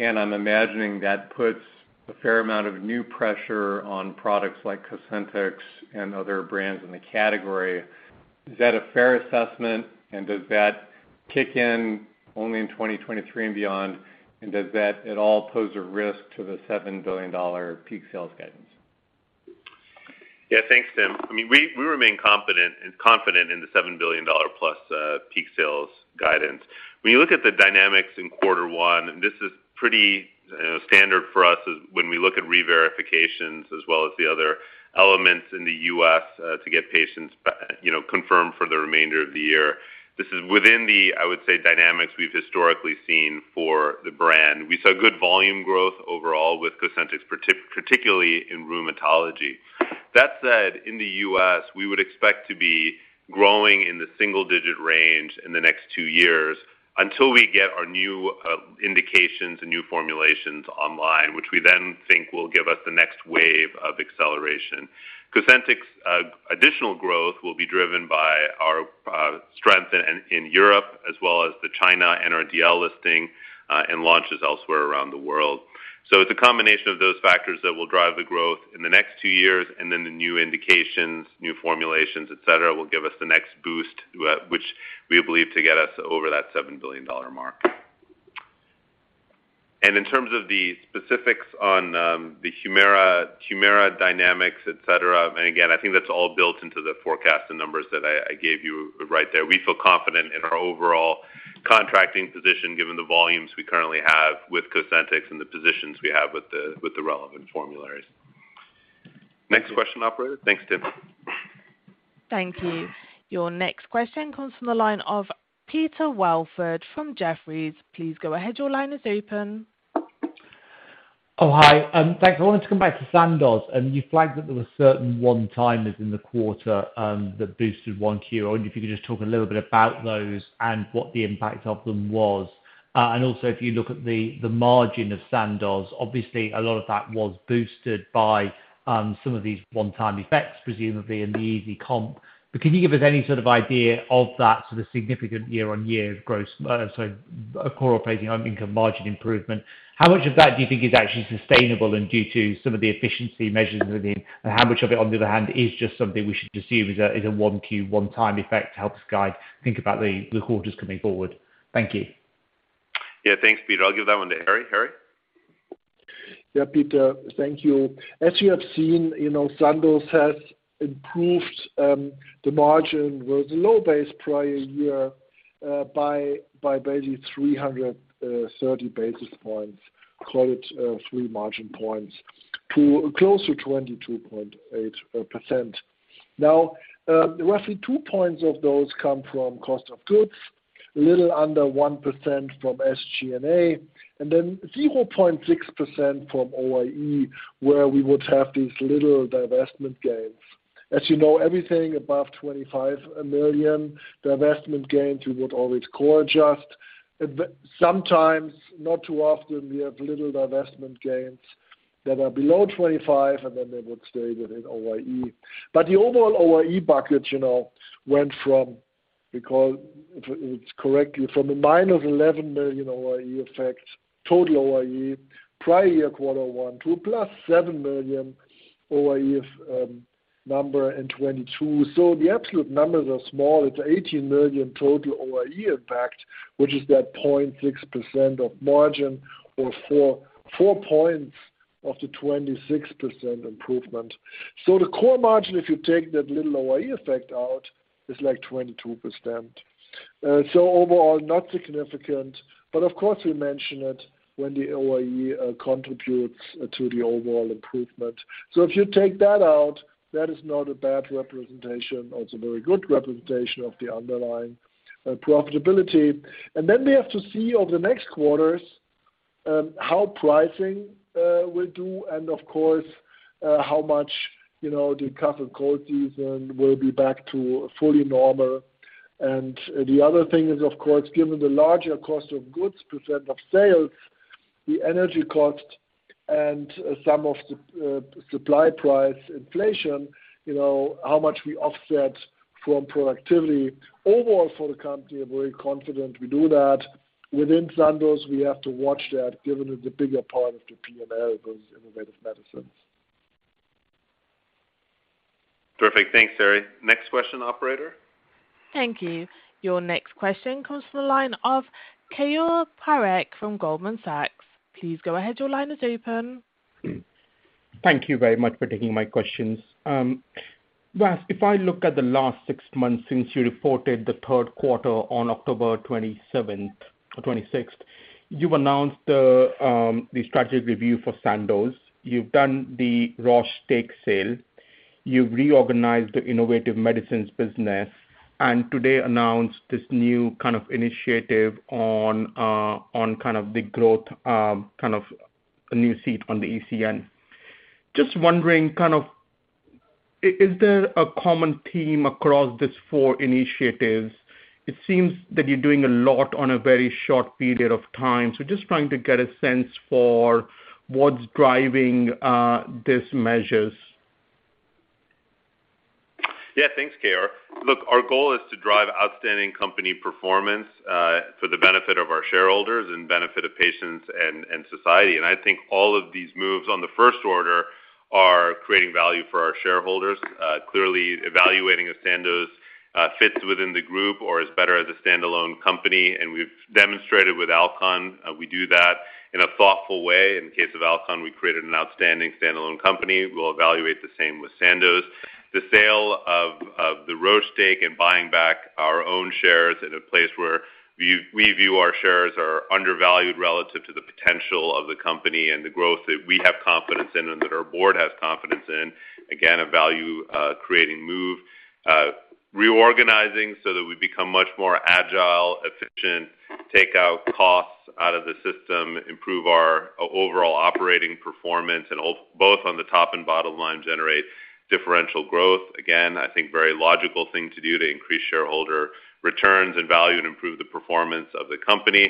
I'm imagining that puts a fair amount of new pressure on products like Cosentyx and other brands in the category. Is that a fair assessment? Does that kick in only in 2023 and beyond? Does that at all pose a risk to the $7 billion peak sales guidance? Yeah. Thanks, Tim. I mean, we remain confident in confident in the $7+ billion peak sales guidance. When you look at the dynamics in quarter one, this is pretty standard for us when we look at reverifications as well as the other elements in the U.S. to get patients you know confirmed for the remainder of the year. This is within the I would say dynamics we've historically seen for the brand. We saw good volume growth overall with Cosentyx particularly in rheumatology. That said, in the U.S., we would expect to be growing in the single-digit range in the next two years until we get our new indications and new formulations online, which we then think will give us the next wave of acceleration. Cosentyx, additional growth will be driven by our strength in Europe as well as in China and our NRDL listing and launches elsewhere around the world. It's a combination of those factors that will drive the growth in the next two years, and then the new indications, new formulations, et cetera, will give us the next boost, which we believe will get us over that $7 billion mark. In terms of the specifics on the Humira dynamics, et cetera, and again, I think that's all built into the forecast and numbers that I gave you right there. We feel confident in our overall contracting position given the volumes we currently have with Cosentyx and the positions we have with the relevant formularies. Next question, operator. Thanks, Tim. Thank you. Your next question comes from the line of Peter Welford from Jefferies. Please go ahead. Your line is open. Oh, hi. Thanks. I wanted to come back to Sandoz. You flagged that there were certain one-timers in the quarter that boosted Q1. I wonder if you could just talk a little bit about those and what the impact of them was. Also if you look at the margin of Sandoz, obviously a lot of that was boosted by some of these one-time effects, presumably in the easy comp. Can you give us any sort of idea of that sort of significant year-on-year core operating income margin improvement? How much of that do you think is actually sustainable and due to some of the efficiency measures within? How much of it, on the other hand, is just something we should just see as a one Q, one time effect to help us guide think about the quarters coming forward? Thank you. Yeah. Thanks, Peter. I'll give that one to Harry. Harry. Yeah, Peter. Thank you. As you have seen, you know, Sandoz has improved the margin with low base prior year by basically 330 basis points, call it three margin points to close to 22.8%. Now, roughly 2 points of those come from cost of goods, a little under 1% from SG&A, and then 0.6% from OIE, where we would have these little divestment gains. As you know, everything above 25 million divestment gains, we would always core adjust. Sometimes, not too often, we have little divestment gains that are below 25, and then they would stay within OIE. The overall OIE bucket, you know, went from a minus 11 million OIE effect, total OIE prior year quarter one to +7 million OIE number in 2022. The absolute numbers are small. It's 18 million total OIE effect, which is that 0.6% of margin or 4 points of the 26% improvement. The core margin, if you take that little OIE effect out, is like 22%. Overall, not significant, but of course, we mention it when the OIE contributes to the overall improvement. If you take that out, that is not a bad representation. Also very good representation of the underlying profitability. We have to see over the next quarters, how pricing will do, and of course, how much, you know, the cough and cold season will be back to fully normal. The other thing is, of course, given the larger cost of goods percent of sales, the energy cost and some of the supply price inflation, you know, how much we offset from productivity overall for the company. I'm very confident we do that. Within Sandoz, we have to watch that given the bigger part of the P&L, because innovative medicines. Perfect. Thanks, Harry. Next question, operator. Thank you. Your next question comes from the line of Keyur Parekh from Goldman Sachs. Please go ahead. Your line is open. Thank you very much for taking my questions. Vas, if I look at the last six months since you reported the third quarter on October 27th or 26th, you've announced the strategy review for Sandoz. You've done the Roche stake sale. You've reorganized the Innovative Medicines business and today announced this new kind of initiative on kind of the growth kind of a new seat on the ECN. Just wondering kind of is there a common theme across these four initiatives? It seems that you're doing a lot in a very short period of time. Just trying to get a sense for what's driving these measures. Yeah. Thanks, Keyur. Look, our goal is to drive outstanding company performance for the benefit of our shareholders and benefit of patients and society. I think all of these moves on the first order are creating value for our shareholders. Clearly evaluating if Sandoz fits within the group or is better as a standalone company. We've demonstrated with Alcon we do that in a thoughtful way. In the case of Alcon, we created an outstanding standalone company. We'll evaluate the same with Sandoz. The sale of the Roche stake and buying back our own shares in a place where we view our shares are undervalued relative to the potential of the company and the growth that we have confidence in and that our board has confidence in, again, a value creating move. Reorganizing so that we become much more agile, efficient, take out costs out of the system, improve our overall operating performance, and also both on the top and bottom line generate differential growth. Again, I think very logical thing to do to increase shareholder returns and value and improve the performance of the company.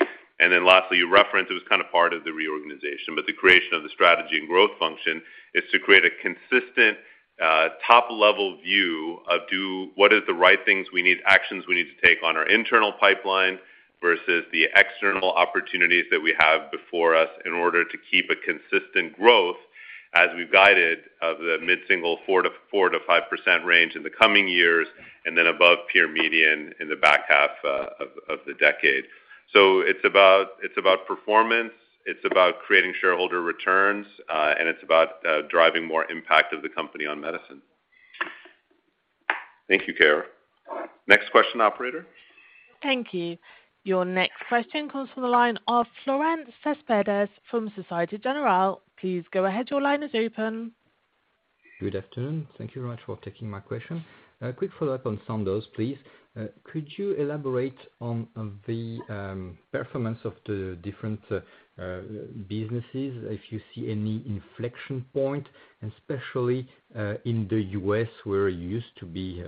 Lastly, you referenced it was kind of part of the reorganization, but the creation of the strategy and growth function is to create a consistent, top-level view of actions we need to take on our internal pipeline versus the external opportunities that we have before us in order to keep a consistent growth as we've guided of the mid-single 4%-5% range in the coming years, and then above peer median in the back half of the decade. It's about performance, it's about creating shareholder returns, and it's about driving more impact of the company on medicine. Thank you, Keyur. Next question, operator. Thank you. Your next question comes from the line of Florent Cespedes from Société Générale. Please go ahead. Your line is open. Good afternoon. Thank you very much for taking my question. A quick follow-up on Sandoz, please. Could you elaborate on the performance of the different businesses, if you see any inflection point, especially in the U.S., where you used to be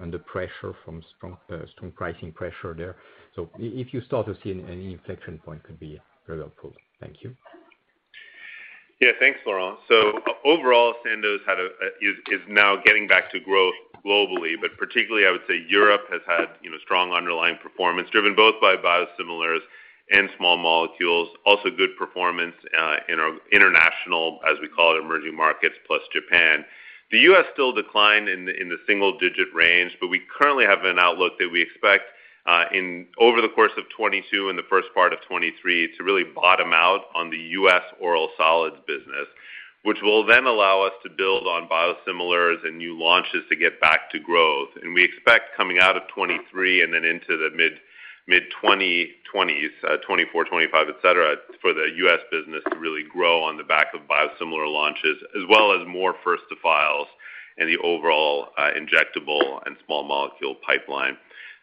under pressure from strong pricing pressure there. If you start to see any inflection point, it could be very helpful. Thank you. Yeah. Thanks, Florent. Overall, Sandoz is now getting back to growth globally, but particularly I would say Europe has had, you know, strong underlying performance, driven both by biosimilars and small molecules. Also good performance in our international, as we call it, emerging markets, plus Japan. The U.S. still declined in the single-digit range, but we currently have an outlook that we expect in over the course of 2022 and the first part of 2023 to really bottom out on the U.S. oral solids business, which will then allow us to build on biosimilars and new launches to get back to growth. We expect coming out of 2023 and then into the mid-2020s, 2024, 2025, et cetera, for the U.S. business to really grow on the back of biosimilar launches as well as more first-to-file and the overall injectable and small molecule pipeline.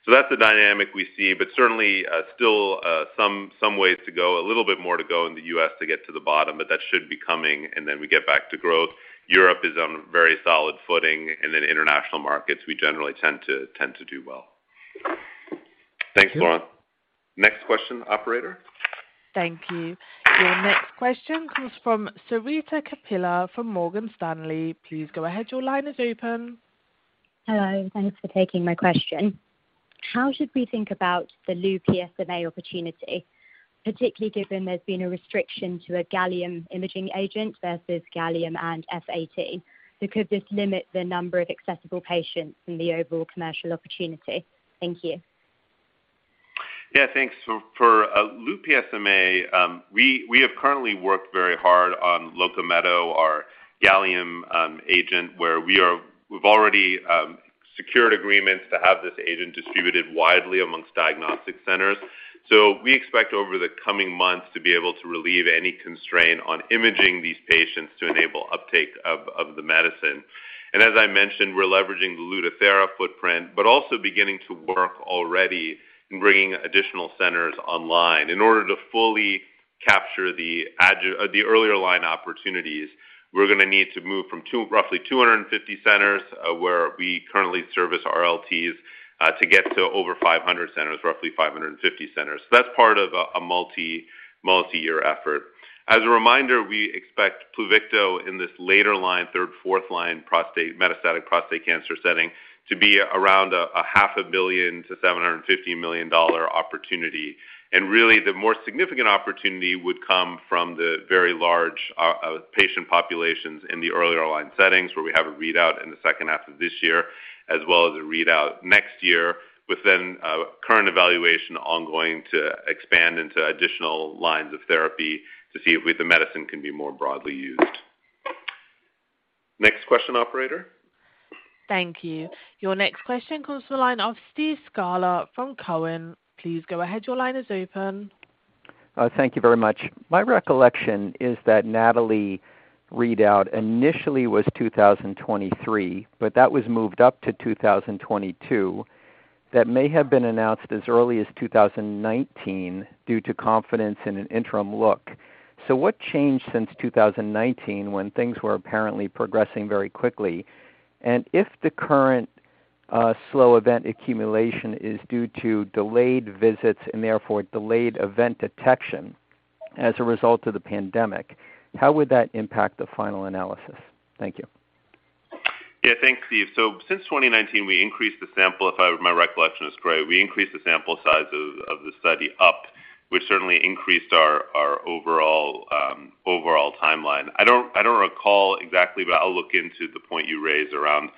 That's the dynamic we see, but certainly still some ways to go, a little bit more to go in the U.S. to get to the bottom, but that should be coming and then we get back to growth. Europe is on very solid footing, and in international markets, we generally tend to do well. Thanks, Florent. Next question, operator. Thank you. Your next question comes from Sarita Kapila from Morgan Stanley. Please go ahead. Your line is open. Hello. Thanks for taking my question. How should we think about the Lu-PSMA-617 opportunity, particularly given there's been a restriction to a gallium imaging agent versus gallium and F-18? Could this limit the number of accessible patients in the overall commercial opportunity? Thank you. Yeah, thanks. For Lu-PSMA-617, we have currently worked very hard on Locametz, our gallium agent, where we've already secured agreements to have this agent distributed widely amongst diagnostic centers. We expect over the coming months to be able to relieve any constraint on imaging these patients to enable uptake of the medicine. As I mentioned, we're leveraging the Lutathera footprint, but also beginning to work already in bringing additional centers online. In order to fully capture the earlier line opportunities, we're gonna need to move from roughly 250 centers, where we currently service RLTs, to get to over 500 centers, roughly 550 centers. That's part of a multi-year effort. As a reminder, we expect Pluvicto in this later line, third, fourth line metastatic prostate cancer setting to be around a half billion to $750 million opportunity. Really the more significant opportunity would come from the very large patient populations in the earlier line settings where we have a readout in the second half of this year, as well as a readout next year with the current evaluation ongoing to expand into additional lines of therapy to see if the medicine can be more broadly used. Next question, operator. Thank you. Your next question comes from the line of Steve Scala from Cowen. Please go ahead. Your line is open. Thank you very much. My recollection is that NATALEE readout initially was 2023, but that was moved up to 2022. That may have been announced as early as 2019 due to confidence in an interim look. What changed since 2019 when things were apparently progressing very quickly? If the current slow event accumulation is due to delayed visits and therefore delayed event detection as a result of the pandemic, how would that impact the final analysis? Thank you. Yeah. Thanks, Steve. Since 2019, we increased the sample. My recollection is correct, we increased the sample size of the study up, which certainly increased our overall timeline. I don't recall exactly, but I'll look into the point you raised around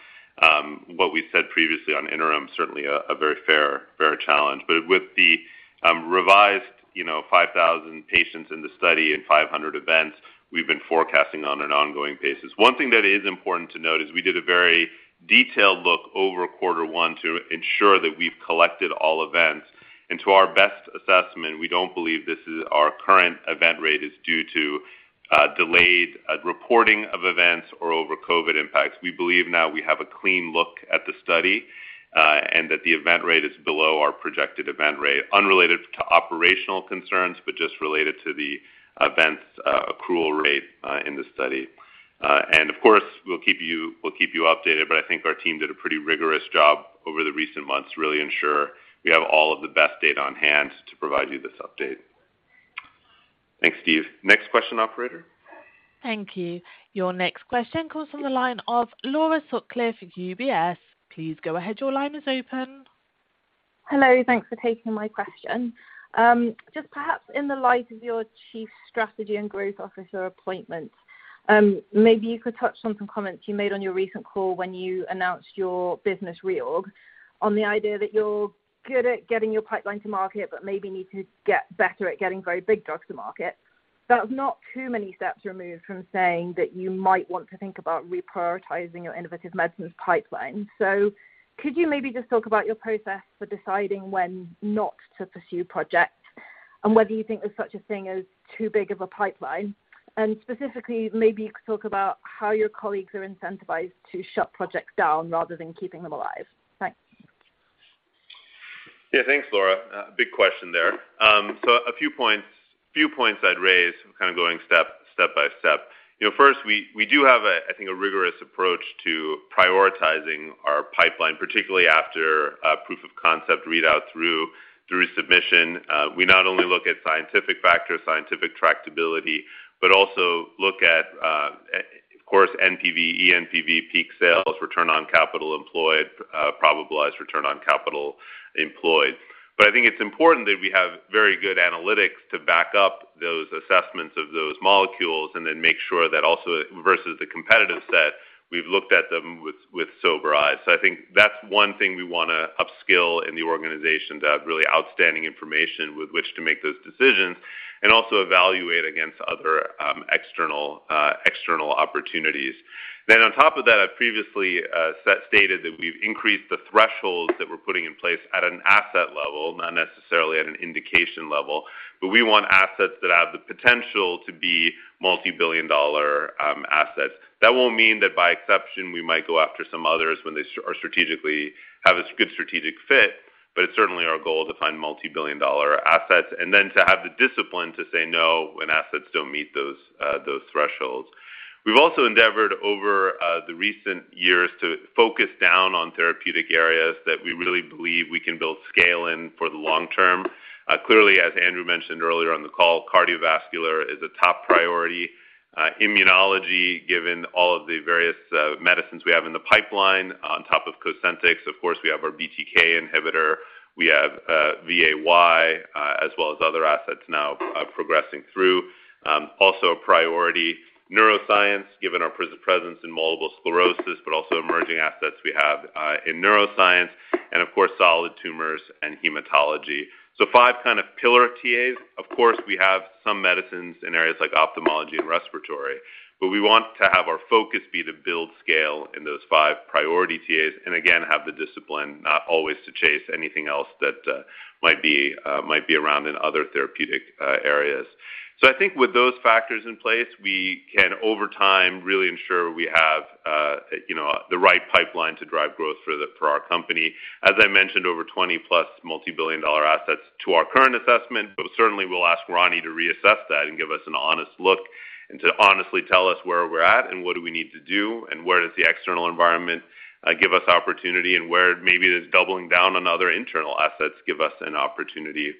what we said previously on interim. Certainly a very fair challenge. But with the revised, you know, 5,000 patients in the study and 500 events we've been forecasting on an ongoing basis. One thing that is important to note is we did a very detailed look over quarter one to ensure that we've collected all events. To our best assessment, we don't believe our current event rate is due to delayed reporting of events or over COVID impacts. We believe now we have a clean look at the study, and that the event rate is below our projected event rate, unrelated to operational concerns, but just related to the events, accrual rate, in the study. Of course, we'll keep you updated, but I think our team did a pretty rigorous job over the recent months to really ensure we have all of the best data on hand to provide you this update. Thanks, Steve. Next question, operator. Thank you. Your next question comes from the line of Laura Sutcliffe, UBS. Please go ahead. Your line is open. Hello. Thanks for taking my question. Just perhaps in the light of your Chief Strategy and Growth Officer appointment, maybe you could touch on some comments you made on your recent call when you announced your business reorg on the idea that you're good at getting your pipeline to market, but maybe need to get better at getting very big drugs to market. That's not too many steps removed from saying that you might want to think about reprioritizing your innovative medicines pipeline. Could you maybe just talk about your process for deciding when not to pursue projects and whether you think there's such a thing as too big of a pipeline? Specifically, maybe you could talk about how your colleagues are incentivized to shut projects down rather than keeping them alive. Thanks. Yeah. Thanks, Laura. Big question there. So a few points I'd raise kind of going step by step. You know, first, we do have, I think, a rigorous approach to prioritizing our pipeline, particularly after a proof of concept readout through submission. We not only look at scientific factors, scientific tractability, but also look at, of course, NPV, eNPV, peak sales, return on capital employed, probabilized return on capital employed. I think it's important that we have very good analytics to back up those assessments of those molecules and then make sure that also versus the competitive set, we've looked at them with sober eyes. I think that's one thing we wanna upskill in the organization to have really outstanding information with which to make those decisions and also evaluate against other, external opportunities. On top of that, I previously stated that we've increased the thresholds that we're putting in place at an asset level, not necessarily at an indication level, but we want assets that have the potential to be multi-billion dollar assets. That won't mean that by exception, we might go after some others when they are strategically have a good strategic fit, but it's certainly our goal to find multi-billion dollar assets and then to have the discipline to say no when assets don't meet those thresholds. We've also endeavored over the recent years to focus down on therapeutic areas that we really believe we can build scale in for the long term. Clearly, as Andrew mentioned earlier on the call, cardiovascular is a top priority. Immunology, given all of the various medicines we have in the pipeline on top of Cosentyx, of course, we have our BTK inhibitor. We have VAY736, as well as other assets now progressing through. Also a priority neuroscience, given our presence in multiple sclerosis, but also emerging assets we have in neuroscience and of course, solid tumors and hematology. So five kind of pillar TAs. Of course, we have some medicines in areas like ophthalmology and respiratory, but we want to have our focus be to build scale in those five priority TAs, and again, have the discipline not always to chase anything else that might be around in other therapeutic areas. I think with those factors in place, we can over time really ensure we have, you know, the right pipeline to drive growth for our company. As I mentioned, over 20+ multi-billion dollar assets to our current assessment, but certainly we'll ask Ronny to reassess that and give us an honest look and to honestly tell us where we're at and what do we need to do and where does the external environment give us opportunity and where maybe it is doubling down on other internal assets give us an opportunity,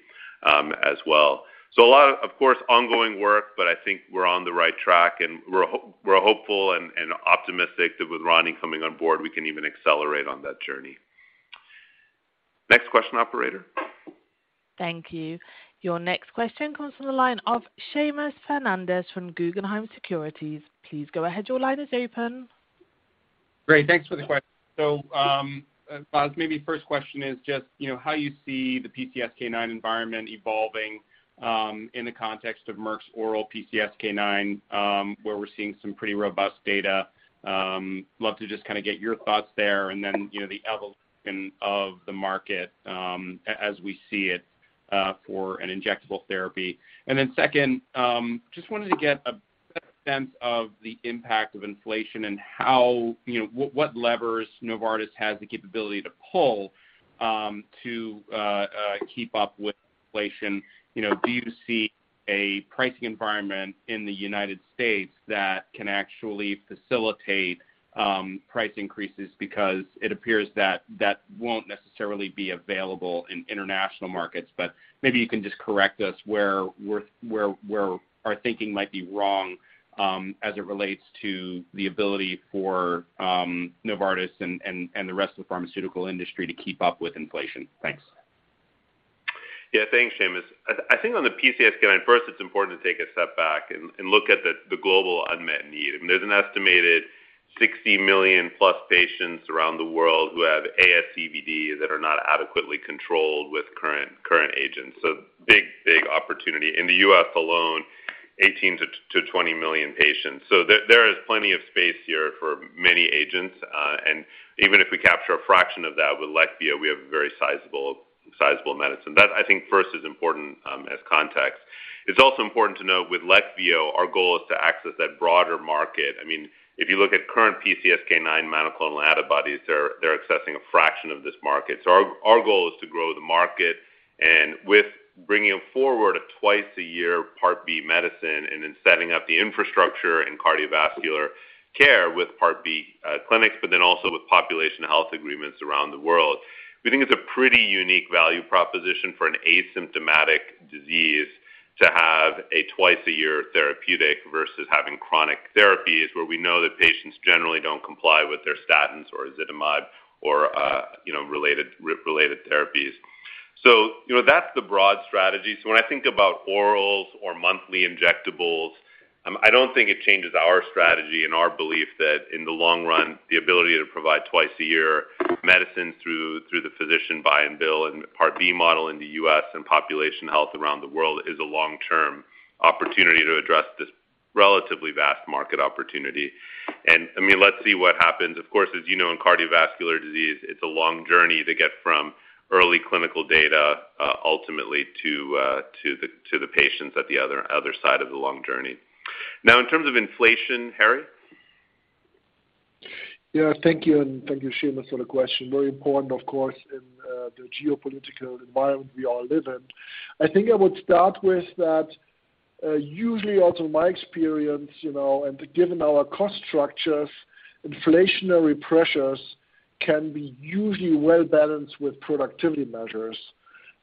as well. A lot of course ongoing work, but I think we're on the right track and we're hopeful and optimistic that with Ronny coming on board, we can even accelerate on that journey. An operator. Thank you. Your next question comes from the line of Seamus Fernandez from Guggenheim Securities. Please go ahead. Your line is open. Great. Thanks for the question. Vas, maybe first question is just, you know, how you see the PCSK9 environment evolving, in the context of Merck's oral PCSK9, where we're seeing some pretty robust data. Love to just kind of get your thoughts there and then, you know, the evolution of the market, as we see it, for an injectable therapy. Second, just wanted to get a sense of the impact of inflation and how, you know, what levers Novartis has the capability to pull, to keep up with inflation. You know, do you see a pricing environment in the United States that can actually facilitate price increases? Because it appears that that won't necessarily be available in international markets. Maybe you can just correct us where our thinking might be wrong as it relates to the ability for Novartis and the rest of the pharmaceutical industry to keep up with inflation. Thanks. Yeah. Thanks, Seamus. I think on the PCSK9 first, it's important to take a step back and look at the global unmet need. I mean, there's an estimated 60+ million patients around the world who have ASCVD that are not adequately controlled with current agents. So big opportunity. In the U.S. alone, 18-20 million patients. So there is plenty of space here for many agents. And even if we capture a fraction of that with Leqvio, we have a very sizable medicine. That, I think, first is important as context. It's also important to note with Leqvio, our goal is to access that broader market. I mean, if you look at current PCSK9 monoclonal antibodies, they're accessing a fraction of this market. So our goal is to grow the market. With bringing forward a twice-a-year Part B medicine and then setting up the infrastructure and cardiovascular care with Part B clinics, but then also with population health agreements around the world. We think it's a pretty unique value proposition for an asymptomatic disease to have a twice-a-year therapeutic versus having chronic therapies where we know that patients generally don't comply with their statins or ezetimibe or, you know, related PCSK9-related therapies. You know, that's the broad strategy. When I think about orals or monthly injectables, I don't think it changes our strategy and our belief that in the long run, the ability to provide twice-a-year medicine through the physician buy and bill and Part B model in the U.S. and population health around the world is a long-term opportunity to address this relatively vast market opportunity. I mean, let's see what happens. Of course, as you know, in cardiovascular disease, it's a long journey to get from early clinical data, ultimately to the patients at the other side of the long journey. Now in terms of inflation, Harry? Yeah. Thank you, and thank you, Seamus, for the question. Very important, of course, in the geopolitical environment we all live in. I think I would start with that, usually out of my experience, you know, and given our cost structures, inflationary pressures can be usually well balanced with productivity measures.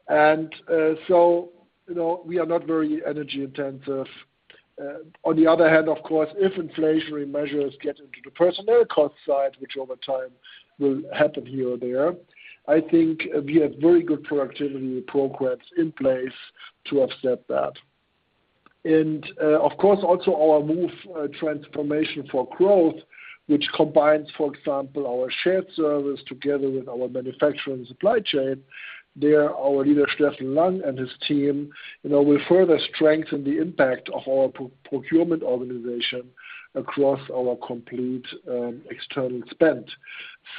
You know, we are not very energy intensive. On the other hand, of course, if inflationary measures get into the personnel cost side, which over time will happen here or there, I think we have very good productivity programs in place to offset that. Of course, also our move, transformation for growth, which combines, for example, our shared service together with our manufacturing supply chain. There our leader, Steffen Lang, and his team, you know, will further strengthen the impact of our procurement organization across our complete external spend.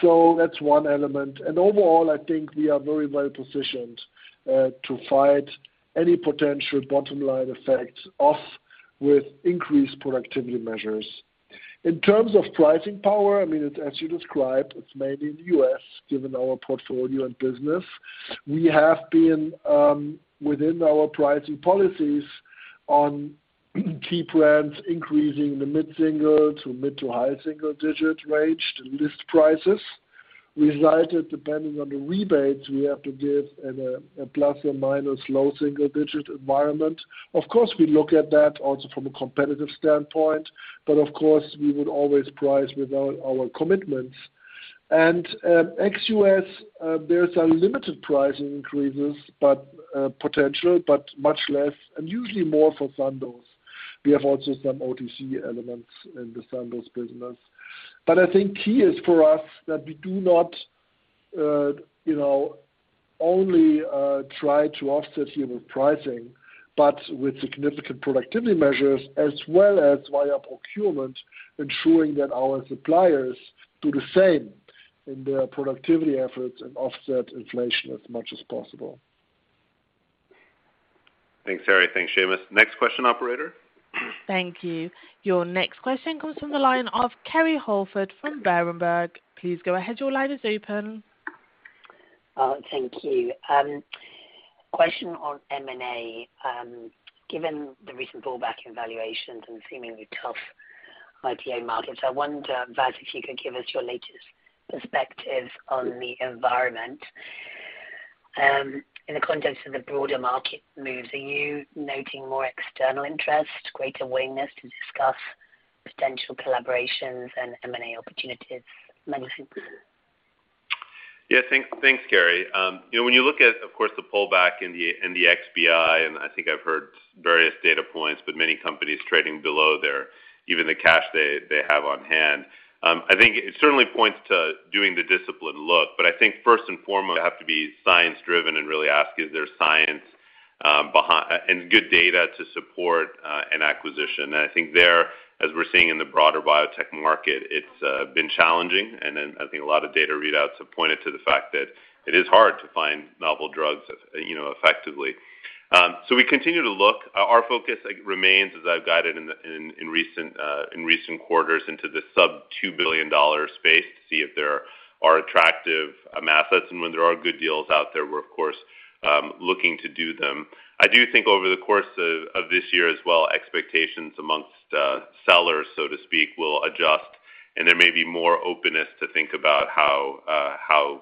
That's one element. Overall, I think we are very well positioned to fight any potential bottom line effect off with increased productivity measures. In terms of pricing power, I mean, as you described, it's mainly in the U.S. given our portfolio and business. We have been within our pricing policies on key plans, increasing the mid-single to mid-to-high single-digit range to list prices. Resulted depending on the rebates we have to give at a plus or minus low single-digit environment. Of course, we look at that also from a competitive standpoint, but of course, we would always price with our commitments. Ex-U.S., there's limited pricing increases but potential, but much less and usually more for Sandoz. We have also some OTC elements in the Sandoz business. I think key is for us that we do not, you know, only try to offset unit pricing, but with significant productivity measures as well as via procurement, ensuring that our suppliers do the same in their productivity efforts and offset inflation as much as possible. Thanks, Harry. Thanks, Seamus. Next question, operator. Thank you. Your next question comes from the line of Kerry Holford from Berenberg. Please go ahead. Your line is open. Thank you. Question on M&A. Given the recent pullback in valuations and seemingly tough IPO markets, I wonder, Vas, if you could give us your latest perspective on the environment. In the context of the broader market moves, are you noting more external interest, greater willingness to discuss potential collaborations and M&A opportunities. Many thanks. Yeah. Thanks, Gary. You know, when you look at, of course, the pullback in the XBI, and I think I've heard various data points, but many companies trading below their even the cash they have on hand. I think it certainly points to doing the disciplined look, but I think first and foremost have to be science-driven and really ask is there science and good data to support an acquisition. I think there, as we're seeing in the broader biotech market, it's been challenging and then I think a lot of data readouts have pointed to the fact that it is hard to find novel drugs, you know, effectively. We continue to look. Our focus remains as I've guided in recent quarters into the sub-$2 billion space to see if there are attractive assets. When there are good deals out there, we're of course looking to do them. I do think over the course of this year as well, expectations amongst sellers, so to speak, will adjust and there may be more openness to think about how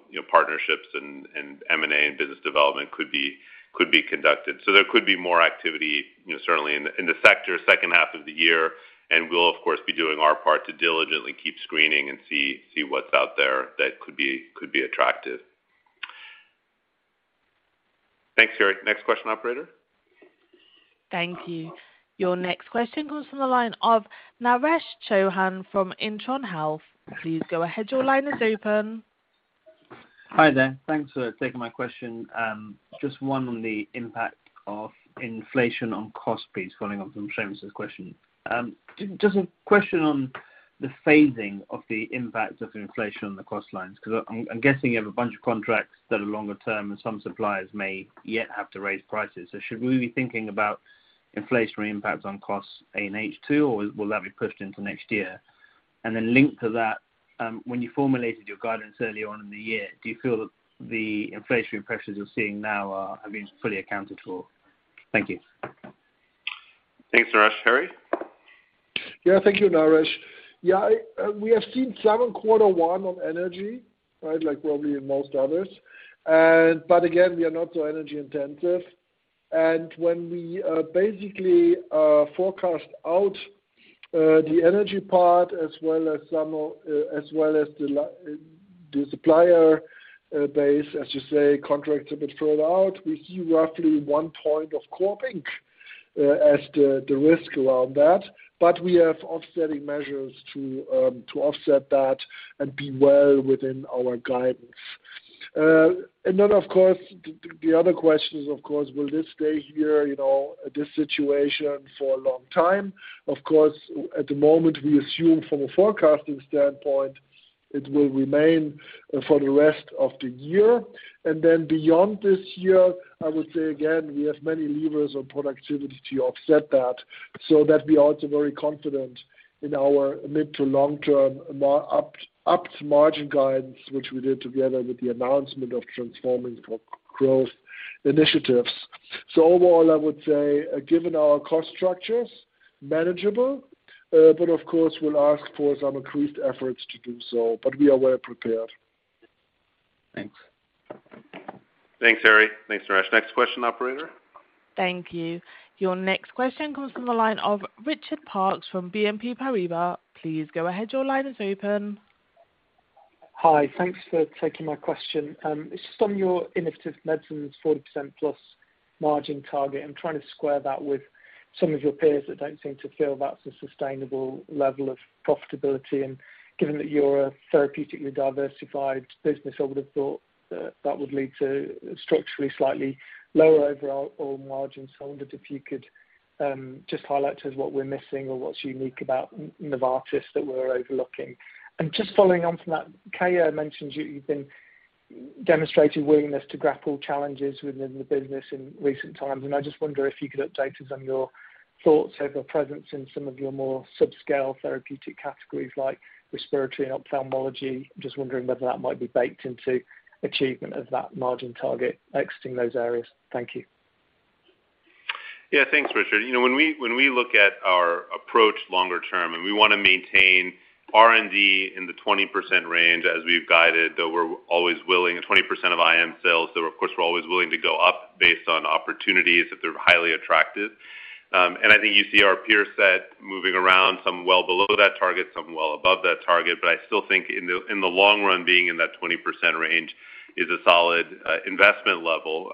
you know, partnerships and M&A and business development could be conducted. There could be more activity, you know, certainly in the sector second half of the year. We'll of course be doing our part to diligently keep screening and see what's out there that could be attractive. Thanks, Kerry. Next question, operator. Thank you. Your next question comes from the line of Naresh Chouhan from Intron Health. Please go ahead. Your line is open. Hi there. Thanks for taking my question. Just one on the impact of inflation on cost piece following up from Seamus' question. Just a question on the phasing of the impact of inflation on the cost lines, 'cause I'm guessing you have a bunch of contracts that are longer term and some suppliers may yet have to raise prices. Should we be thinking about inflationary impacts on costs in H2, or will that be pushed into next year? Linked to that, when you formulated your guidance earlier on in the year, do you feel the inflationary pressures you're seeing now have been fully accounted for? Thank you. Thanks, Naresh. Harry? Yeah, thank you, Naresh. Yeah, we have seen some quarter one on energy, right? Like probably in most others. But again, we are not so energy intensive. When we basically forecast out the energy part as well as the supplier base, as you say, contracts a bit further out, we see roughly 1 point of core income as the risk around that. We have offsetting measures to offset that and be well within our guidance. Then of course, the other question is of course will this stay here, you know, this situation for a long time? Of course, at the moment we assume from a forecasting standpoint it will remain for the rest of the year. Beyond this year, I would say again, we have many levers of productivity to offset that so that we are also very confident in our mid- to long-term updated margin guidance, which we did together with the announcement of Transforming for Growth initiatives. Overall, I would say given our cost structures, manageable, but of course will ask for some increased efforts to do so, but we are well prepared. Thanks. Thanks, Harry. Thanks, Naresh. Next question, operator. Thank you. Your next question comes from the line of Richard Parkes from BNP Paribas. Please go ahead. Your line is open. Hi. Thanks for taking my question. It's just on your Innovative Medicines 40%+ margin target. I'm trying to square that with some of your peers that don't seem to feel that's a sustainable level of profitability. Given that you're a therapeutically diversified business, I would have thought that that would lead to structurally slightly lower overall margin. I wondered if you could just highlight to us what we're missing or what's unique about Novartis that we're overlooking. Just following on from that, Keyur mentioned you've been demonstrating willingness to grapple challenges within the business in recent times. I just wonder if you could update us on your thoughts or your presence in some of your more subscale therapeutic categories like respiratory and ophthalmology. Just wondering whether that might be baked into achievement of that margin target exiting those areas. Thank you. Yeah, thanks, Richard. You know, when we look at our approach longer term, we wanna maintain R&D in the 20% range as we've guided, though we're always willing twenty percent of IM sales. So of course we're always willing to go up based on opportunities if they're highly attractive. I think you see our peer set moving around some well below that target, some well above that target. I still think in the long run being in that 20% range is a solid investment level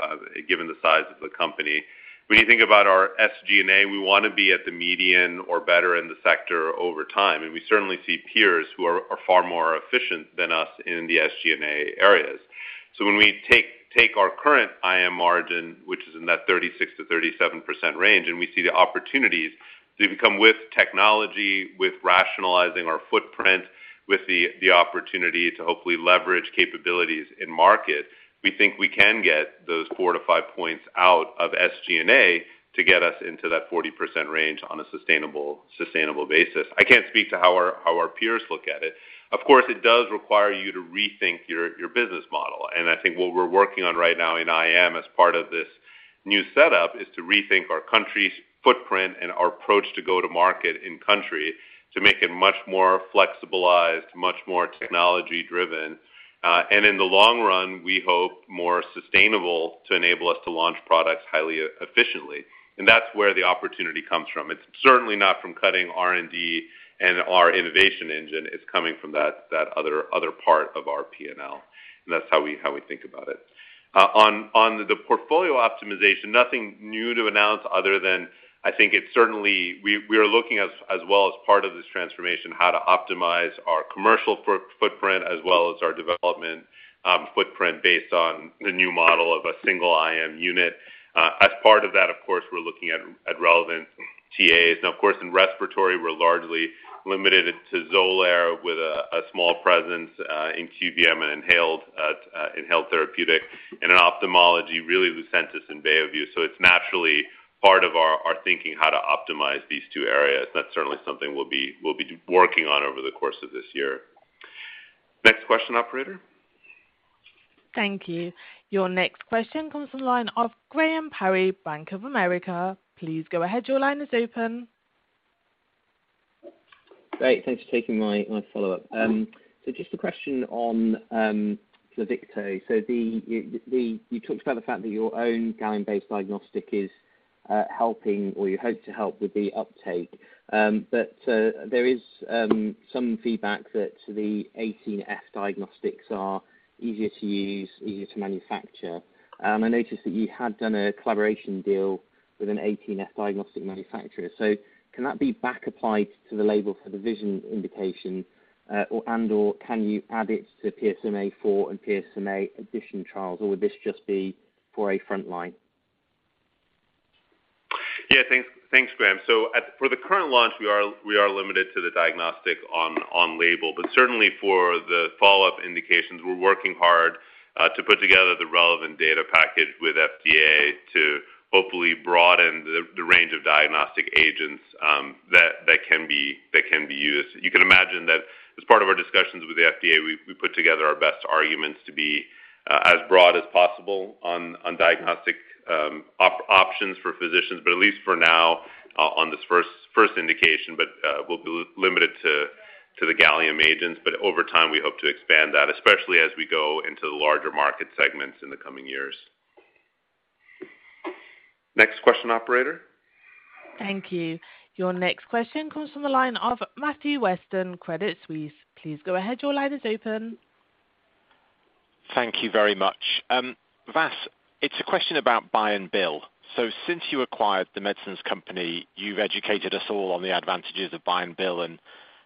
given the size of the company. When you think about our SG&A, we wanna be at the median or better in the sector over time. We certainly see peers who are far more efficient than us in the SG&A areas. When we take our current IM margin, which is in that 36%-37% range, and we see the opportunities to come with technology, with rationalizing our footprint, with the opportunity to hopefully leverage capabilities in market. We think we can get those 4-5 points out of SG&A to get us into that 40% range on a sustainable basis. I can't speak to how our peers look at it. Of course, it does require you to rethink your business model. I think what we're working on right now in IM as part of this new setup is to rethink our country's footprint and our approach to go to market in country to make it much more flexibilized, much more technology-driven. In the long run, we hope more sustainable to enable us to launch products highly efficiently. That's where the opportunity comes from. It's certainly not from cutting R&D and our innovation engine. It's coming from that other part of our P&L, and that's how we think about it. On the portfolio optimization, nothing new to announce other than I think it's certainly we are looking as well as part of this transformation, how to optimize our commercial footprint as well as our development footprint based on the new model of a single IM unit. As part of that, of course, we're looking at relevant TAs. Now, of course, in respiratory, we're largely limited to Xolair with a small presence in QVM149 and inhaled therapeutic. In ophthalmology, really Lucentis and Beovu. It's naturally part of our thinking how to optimize these two areas. That's certainly something we'll be working on over the course of this year. Next question, operator. Thank you. Your next question comes from the line of Graham Parry, Bank of America. Please go ahead. Your line is open. Great. Thanks for taking my follow-up. Just a question on Pluvicto. You talked about the fact that your own gallium-based diagnostic is helping or you hope to help with the uptake. But there is some feedback that the F-18 diagnostics are easier to use, easier to manufacture. I noticed that you had done a collaboration deal with an F-18 diagnostic manufacturer. Can that be back applied to the label for the VISION indication, or and/or can you add it to PSMAfore and PSMAddition trials, or would this just be for a frontline? Yeah, thanks. Thanks, Graham. For the current launch, we are limited to the diagnostic on label. Certainly for the follow-up indications, we're working hard to put together the relevant data package with FDA to hopefully broaden the range of diagnostic agents that can be used. You can imagine that as part of our discussions with the FDA, we put together our best arguments to be as broad as possible on diagnostic options for physicians, but at least for now, on this first indication. We'll be limited to the gallium agents, but over time, we hope to expand that, especially as we go into the larger market segments in the coming years. Next question, operator. Thank you. Your next question comes from the line of Matthew Weston, Credit Suisse. Please go ahead. Your line is open. Thank you very much. Vas, it's a question about buy and bill. Since you acquired The Medicines Company, you've educated us all on the advantages of buy and bill and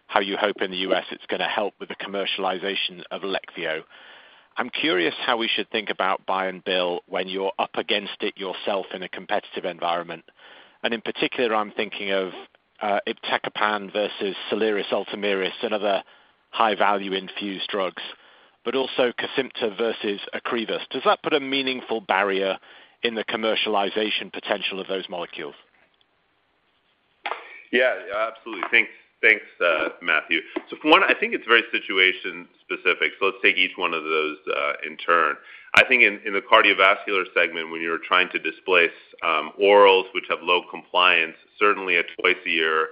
how you hope in the U.S. it's gonna help with the commercialization of Leqvio. I'm curious how we should think about buy and bill when you're up against it yourself in a competitive environment. In particular, I'm thinking of Iptacopan versus Soliris, Ultomiris, and other high-value infused drugs, but also Kesimpta versus Ocrevus. Does that put a meaningful barrier in the commercialization potential of those molecules? Yeah, absolutely. Thanks, Matthew. For one, I think it's very situation-specific. Let's take each one of those in turn. I think in the cardiovascular segment, when you're trying to displace orals which have low compliance, certainly a twice-a-year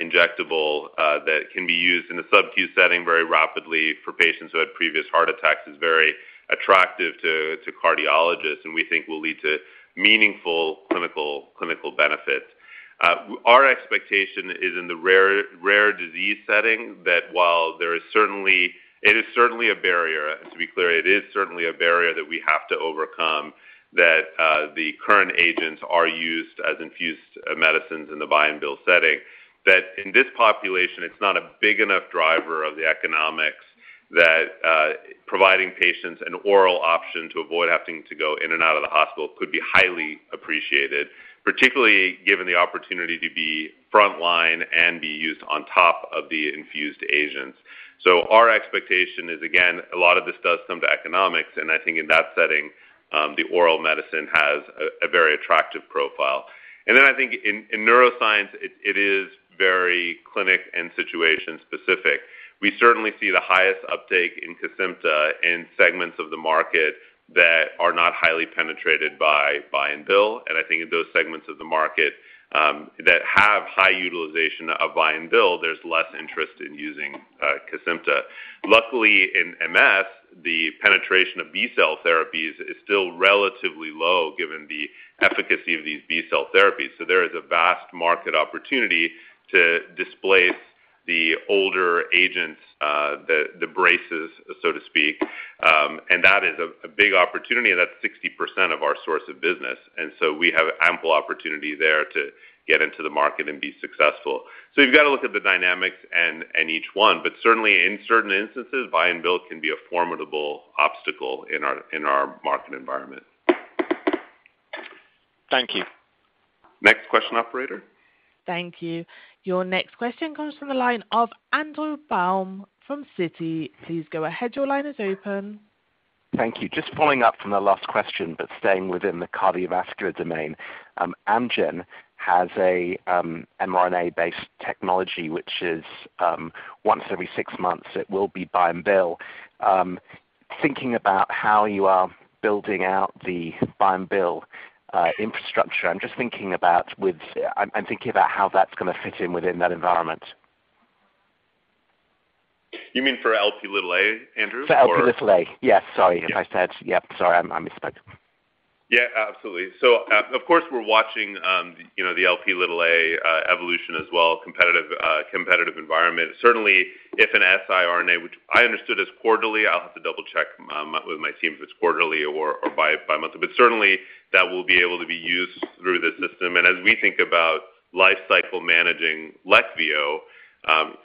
injectable that can be used in a sub-Q setting very rapidly for patients who had previous heart attacks is very attractive to cardiologists, and we think will lead to meaningful clinical benefit. Our expectation is in the rare disease setting that while there is certainly a barrier. To be clear, it is certainly a barrier that we have to overcome, the current agents are used as infused medicines in the buy and bill setting. That in this population, it's not a big enough driver of the economics that providing patients an oral option to avoid having to go in and out of the hospital could be highly appreciated, particularly given the opportunity to be frontline and be used on top of the infused agents. Our expectation is, again, a lot of this does come to economics, and I think in that setting, the oral medicine has a very attractive profile. I think in neuroscience, it is very clinical and situation specific. We certainly see the highest uptake in Kesimpta in segments of the market that are not highly penetrated by buy and bill. I think in those segments of the market that have high utilization of buy and bill, there's less interest in using Kesimpta. Luckily, in MS, the penetration of B cell therapies is still relatively low given the efficacy of these B cell therapies. There is a vast market opportunity to displace the older agents, the BRACEs, so to speak. That is a big opportunity, and that's 60% of our source of business. We have ample opportunity there to get into the market and be successful. You've got to look at the dynamics and each one. Certainly in certain instances, buy and bill can be a formidable obstacle in our market environment. Thank you. Next question, operator. Thank you. Your next question comes from the line of Andrew Baum from Citi. Please go ahead. Your line is open. Thank you. Just following up from the last question, but staying within the cardiovascular domain. Amgen has a mRNA-based technology, which is once every six months, it will be buy and bill. Thinking about how you are building out the buy and bill infrastructure, I'm just thinking about how that's gonna fit in within that environment. You mean for Lp(a), Andrew? For Lp(a). Yes. Sorry, I misspoke. Yeah, absolutely. Of course, we're watching, you know, the Lp(a) evolution as well, competitive environment. Certainly, if an siRNA, which I understood as quarterly, I'll have to double-check with my team if it's quarterly or bi-monthly. Certainly that will be able to be used through the system. As we think about life cycle managing Leqvio,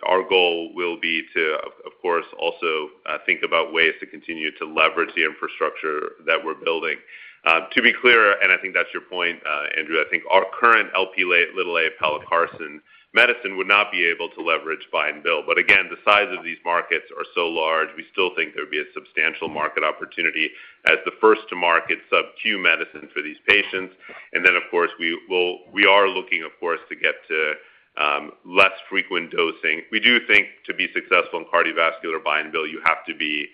our goal will be to, of course, also think about ways to continue to leverage the infrastructure that we're building. To be clear, and I think that's your point, Andrew, I think our current Lp(a) pelacarsen medicine would not be able to leverage buy and bill. Again, the size of these markets are so large, we still think there'd be a substantial market opportunity as the first to market subQ medicine for these patients. We are looking, of course, to get to less frequent dosing. We do think to be successful in cardiovascular buy and bill, you have to be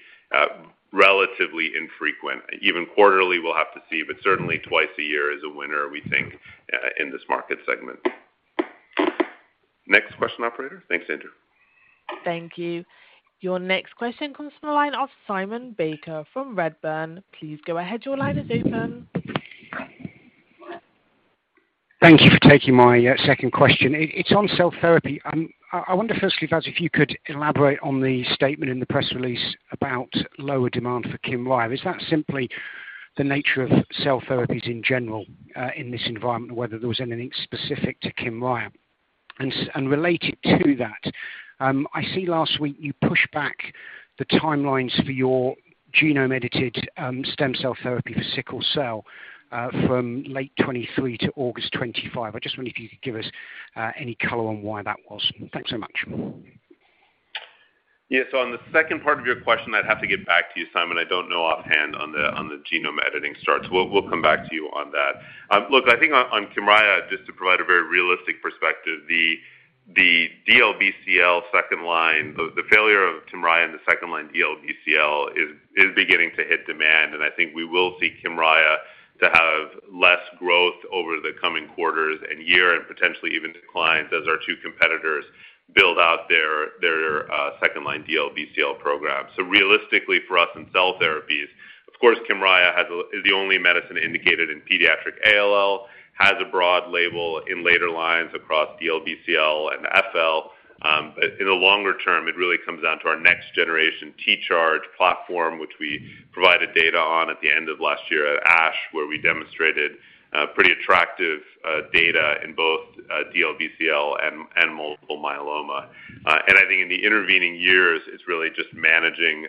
relatively infrequent. Even quarterly, we'll have to see, but certainly twice a year is a winner, we think, in this market segment. Next question, operator. Thanks, Andrew. Thank you. Your next question comes from the line of Simon Baker from Redburn. Please go ahead. Your line is open. Thank you for taking my second question. It's on cell therapy. I wonder, firstly, Vas, if you could elaborate on the statement in the press release about lower demand for Kymriah. Is that simply the nature of cell therapies in general in this environment, or whether there was anything specific to Kymriah? And related to that, I see last week you pushed back the timelines for your genome-edited stem cell therapy for sickle cell from late 2023 to August 2025. I just wonder if you could give us any color on why that was. Thanks so much. Yeah. On the second part of your question, I'd have to get back to you, Simon. I don't know offhand on the genome editing start. We'll come back to you on that. Look, I think on Kymriah, just to provide a very realistic perspective, the DLBCL second line, the failure of Kymriah in the second line DLBCL is beginning to hit demand. I think we will see Kymriah to have less growth over the coming quarters and year and potentially even declines as our two competitors build out their second line DLBCL program. Realistically for us in cell therapies, of course, Kymriah is the only medicine indicated in pediatric ALL, has a broad label in later lines across DLBCL and FL. In the longer term, it really comes down to our next generation T-Charge platform, which we provided data on at the end of last year at ASH, where we demonstrated pretty attractive data in both DLBCL and multiple myeloma. I think in the intervening years, it's really just managing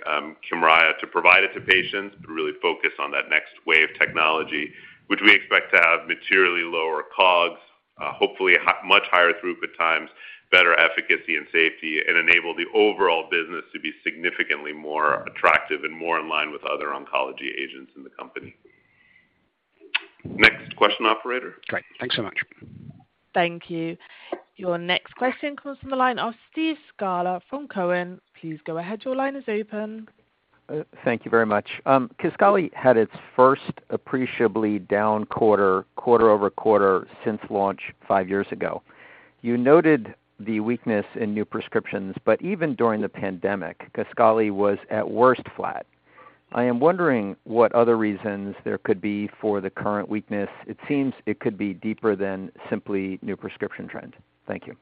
Kymriah to provide it to patients to really focus on that next wave technology, which we expect to have materially lower COGS, hopefully much higher throughput times, better efficacy and safety, and enable the overall business to be significantly more attractive and more in line with other oncology agents in the company. Next question, operator. Great. Thanks so much. Thank you. Your next question comes from the line of Steve Scala from Cowen. Please go ahead. Your line is open. Thank you very much. Kisqali had its first appreciably down quarter-over-quarter since launch five years ago. You noted the weakness in new prescriptions, but even during the pandemic, Kisqali was at worst flat. I am wondering what other reasons there could be for the current weakness. It seems it could be deeper than simply new prescription trend. Thank you.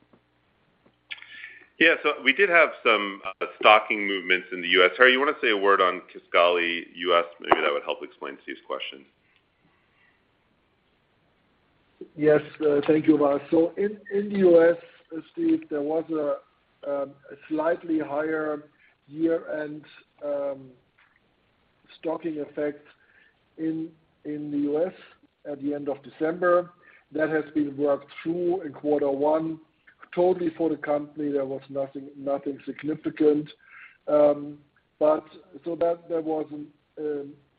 Yeah. We did have some stocking movements in the U.S. Harry, you wanna say a word on Kisqali U.S.? Maybe that would help explain Steve's question. Yes. Thank you, Vas. In the U.S., Steve, there was a slightly higher year-end stocking effect in the U.S. at the end of December. That has been worked through in quarter one. Totally for the company, there was nothing significant. There was an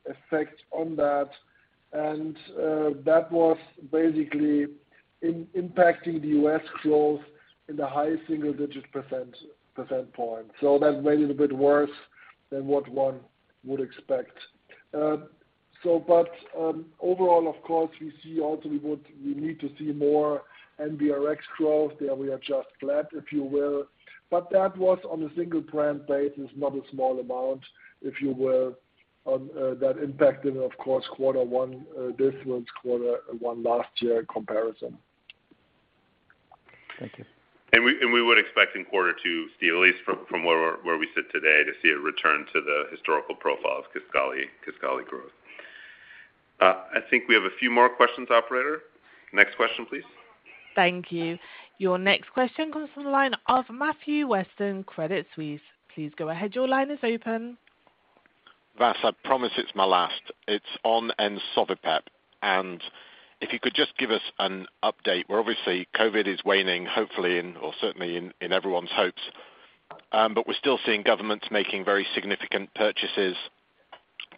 effect on that. That was basically impacting the U.S. growth in the high single-digit percentage point. That made it a bit worse than what one would expect. Overall, of course, we see we need to see more NBRX growth. There we are just flat, if you will. That was on a single brand basis, not a small amount. If you will, that impacted, of course, quarter one, this one's quarter one last year comparison. Thank you. We would expect in quarter two, Steve, at least from where we sit today to see a return to the historical profile of Kisqali growth. I think we have a few more questions, operator. Next question, please. Thank you. Your next question comes from the line of Matthew Weston, Credit Suisse. Please go ahead. Your line is open. Vas, I promise it's my last. It's on ensovibep. If you could just give us an update where obviously COVID is waning, hopefully in or certainly in everyone's hopes. But we're still seeing governments making very significant purchases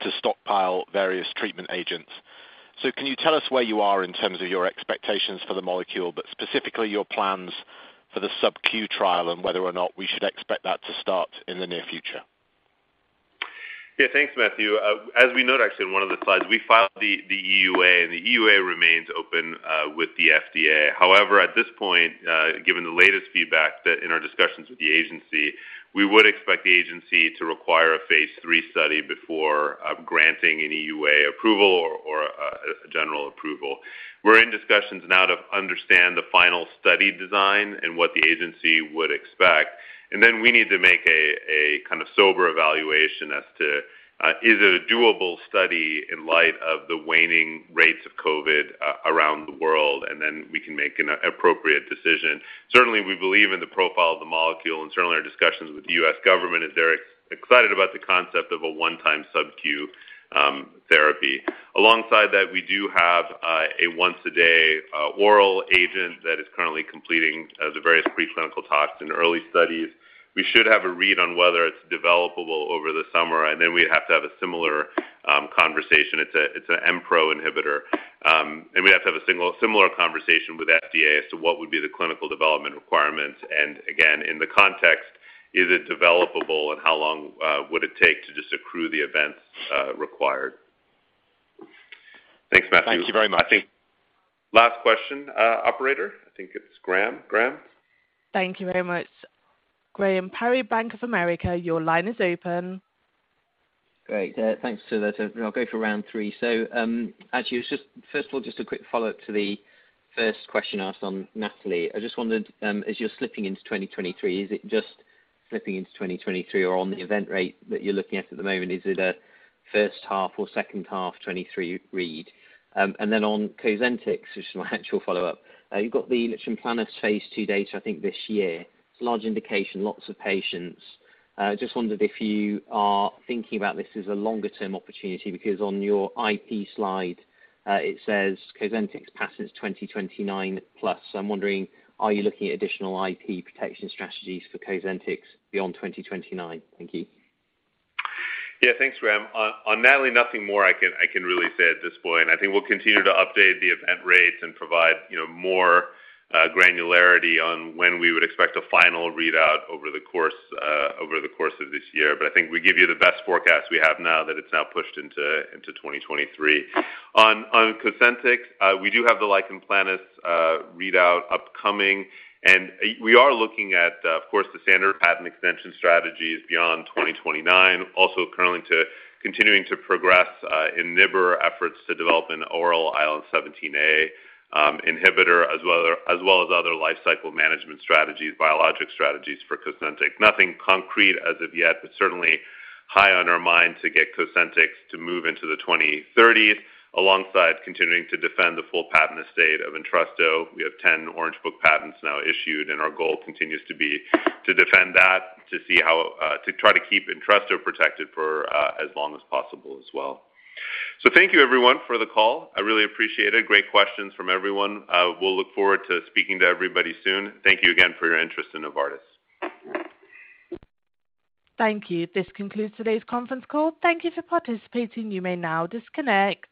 to stockpile various treatment agents. Can you tell us where you are in terms of your expectations for the molecule, but specifically your plans for the subQ trial and whether or not we should expect that to start in the near future? Yeah. Thanks, Matthew. As we note actually in one of the slides, we filed the EUA, and the EUA remains open with the FDA. However, at this point, given the latest feedback that in our discussions with the agency, we would expect the agency to require a phase III study before granting an EUA approval or a general approval. We're in discussions now to understand the final study design and what the agency would expect. We need to make a kind of sober evaluation as to is it a doable study in light of the waning rates of COVID around the world. We can make an appropriate decision. Certainly, we believe in the profile of the molecule and certainly our discussions with the U.S. government as they're excited about the concept of a one-time subQ therapy. Alongside that, we do have a once a day oral agent that is currently completing the various preclinical tasks in early studies. We should have a read on whether it's developable over the summer, and then we'd have to have a similar conversation. It's an Mpro inhibitor. We'd have to have a similar conversation with FDA as to what would be the clinical development requirements. Again, in the context, is it developable and how long would it take to just accrue the events required. Thanks, Matthew. Thank you very much. I think last question, operator. I think it's Graham. Graham? Thank you very much. Graham Parry, Bank of America, your line is open. Great. Thanks to that. I'll go for round three. Actually it's just first of all, just a quick follow-up to the first question asked on NATALEE. I just wondered, as you're slipping into 2023, is it just slipping into 2023 or on the event rate that you're looking at at the moment, is it a first half or second half 2023 read? Then on Cosentyx, just my actual follow-up. You've got the lichen planus phase II data I think this year. It's a large indication, lots of patients. Just wondered if you are thinking about this as a longer-term opportunity because on your IP slide, it says Cosentyx patents 2029 plus. I'm wondering, are you looking at additional IP protection strategies for Cosentyx beyond 2029? Thank you. Yeah. Thanks, Graham. On NATALEE, nothing more I can really say at this point. I think we'll continue to update the event rates and provide, you know, more granularity on when we would expect a final readout over the course of this year. I think we give you the best forecast we have now that it's pushed into 2023. On Cosentyx, we do have the lichen planus readout upcoming, and we are looking at, of course, the standard patent extension strategies beyond 2029. Also currently continuing to progress in NIBR efforts to develop an oral IL-17A inhibitor, as well as other lifecycle management strategies, biologic strategies for Cosentyx. Nothing concrete as of yet, but certainly high on our mind to get Cosentyx to move into the 2030s alongside continuing to defend the full patent estate of Entresto. We have 10 Orange Book patents now issued, and our goal continues to be to defend that, to see how to try to keep Entresto protected for as long as possible as well. Thank you everyone for the call. I really appreciate it. Great questions from everyone. We'll look forward to speaking to everybody soon. Thank you again for your interest in Novartis. Thank you. This concludes today's conference call. Thank you for participating. You may now disconnect.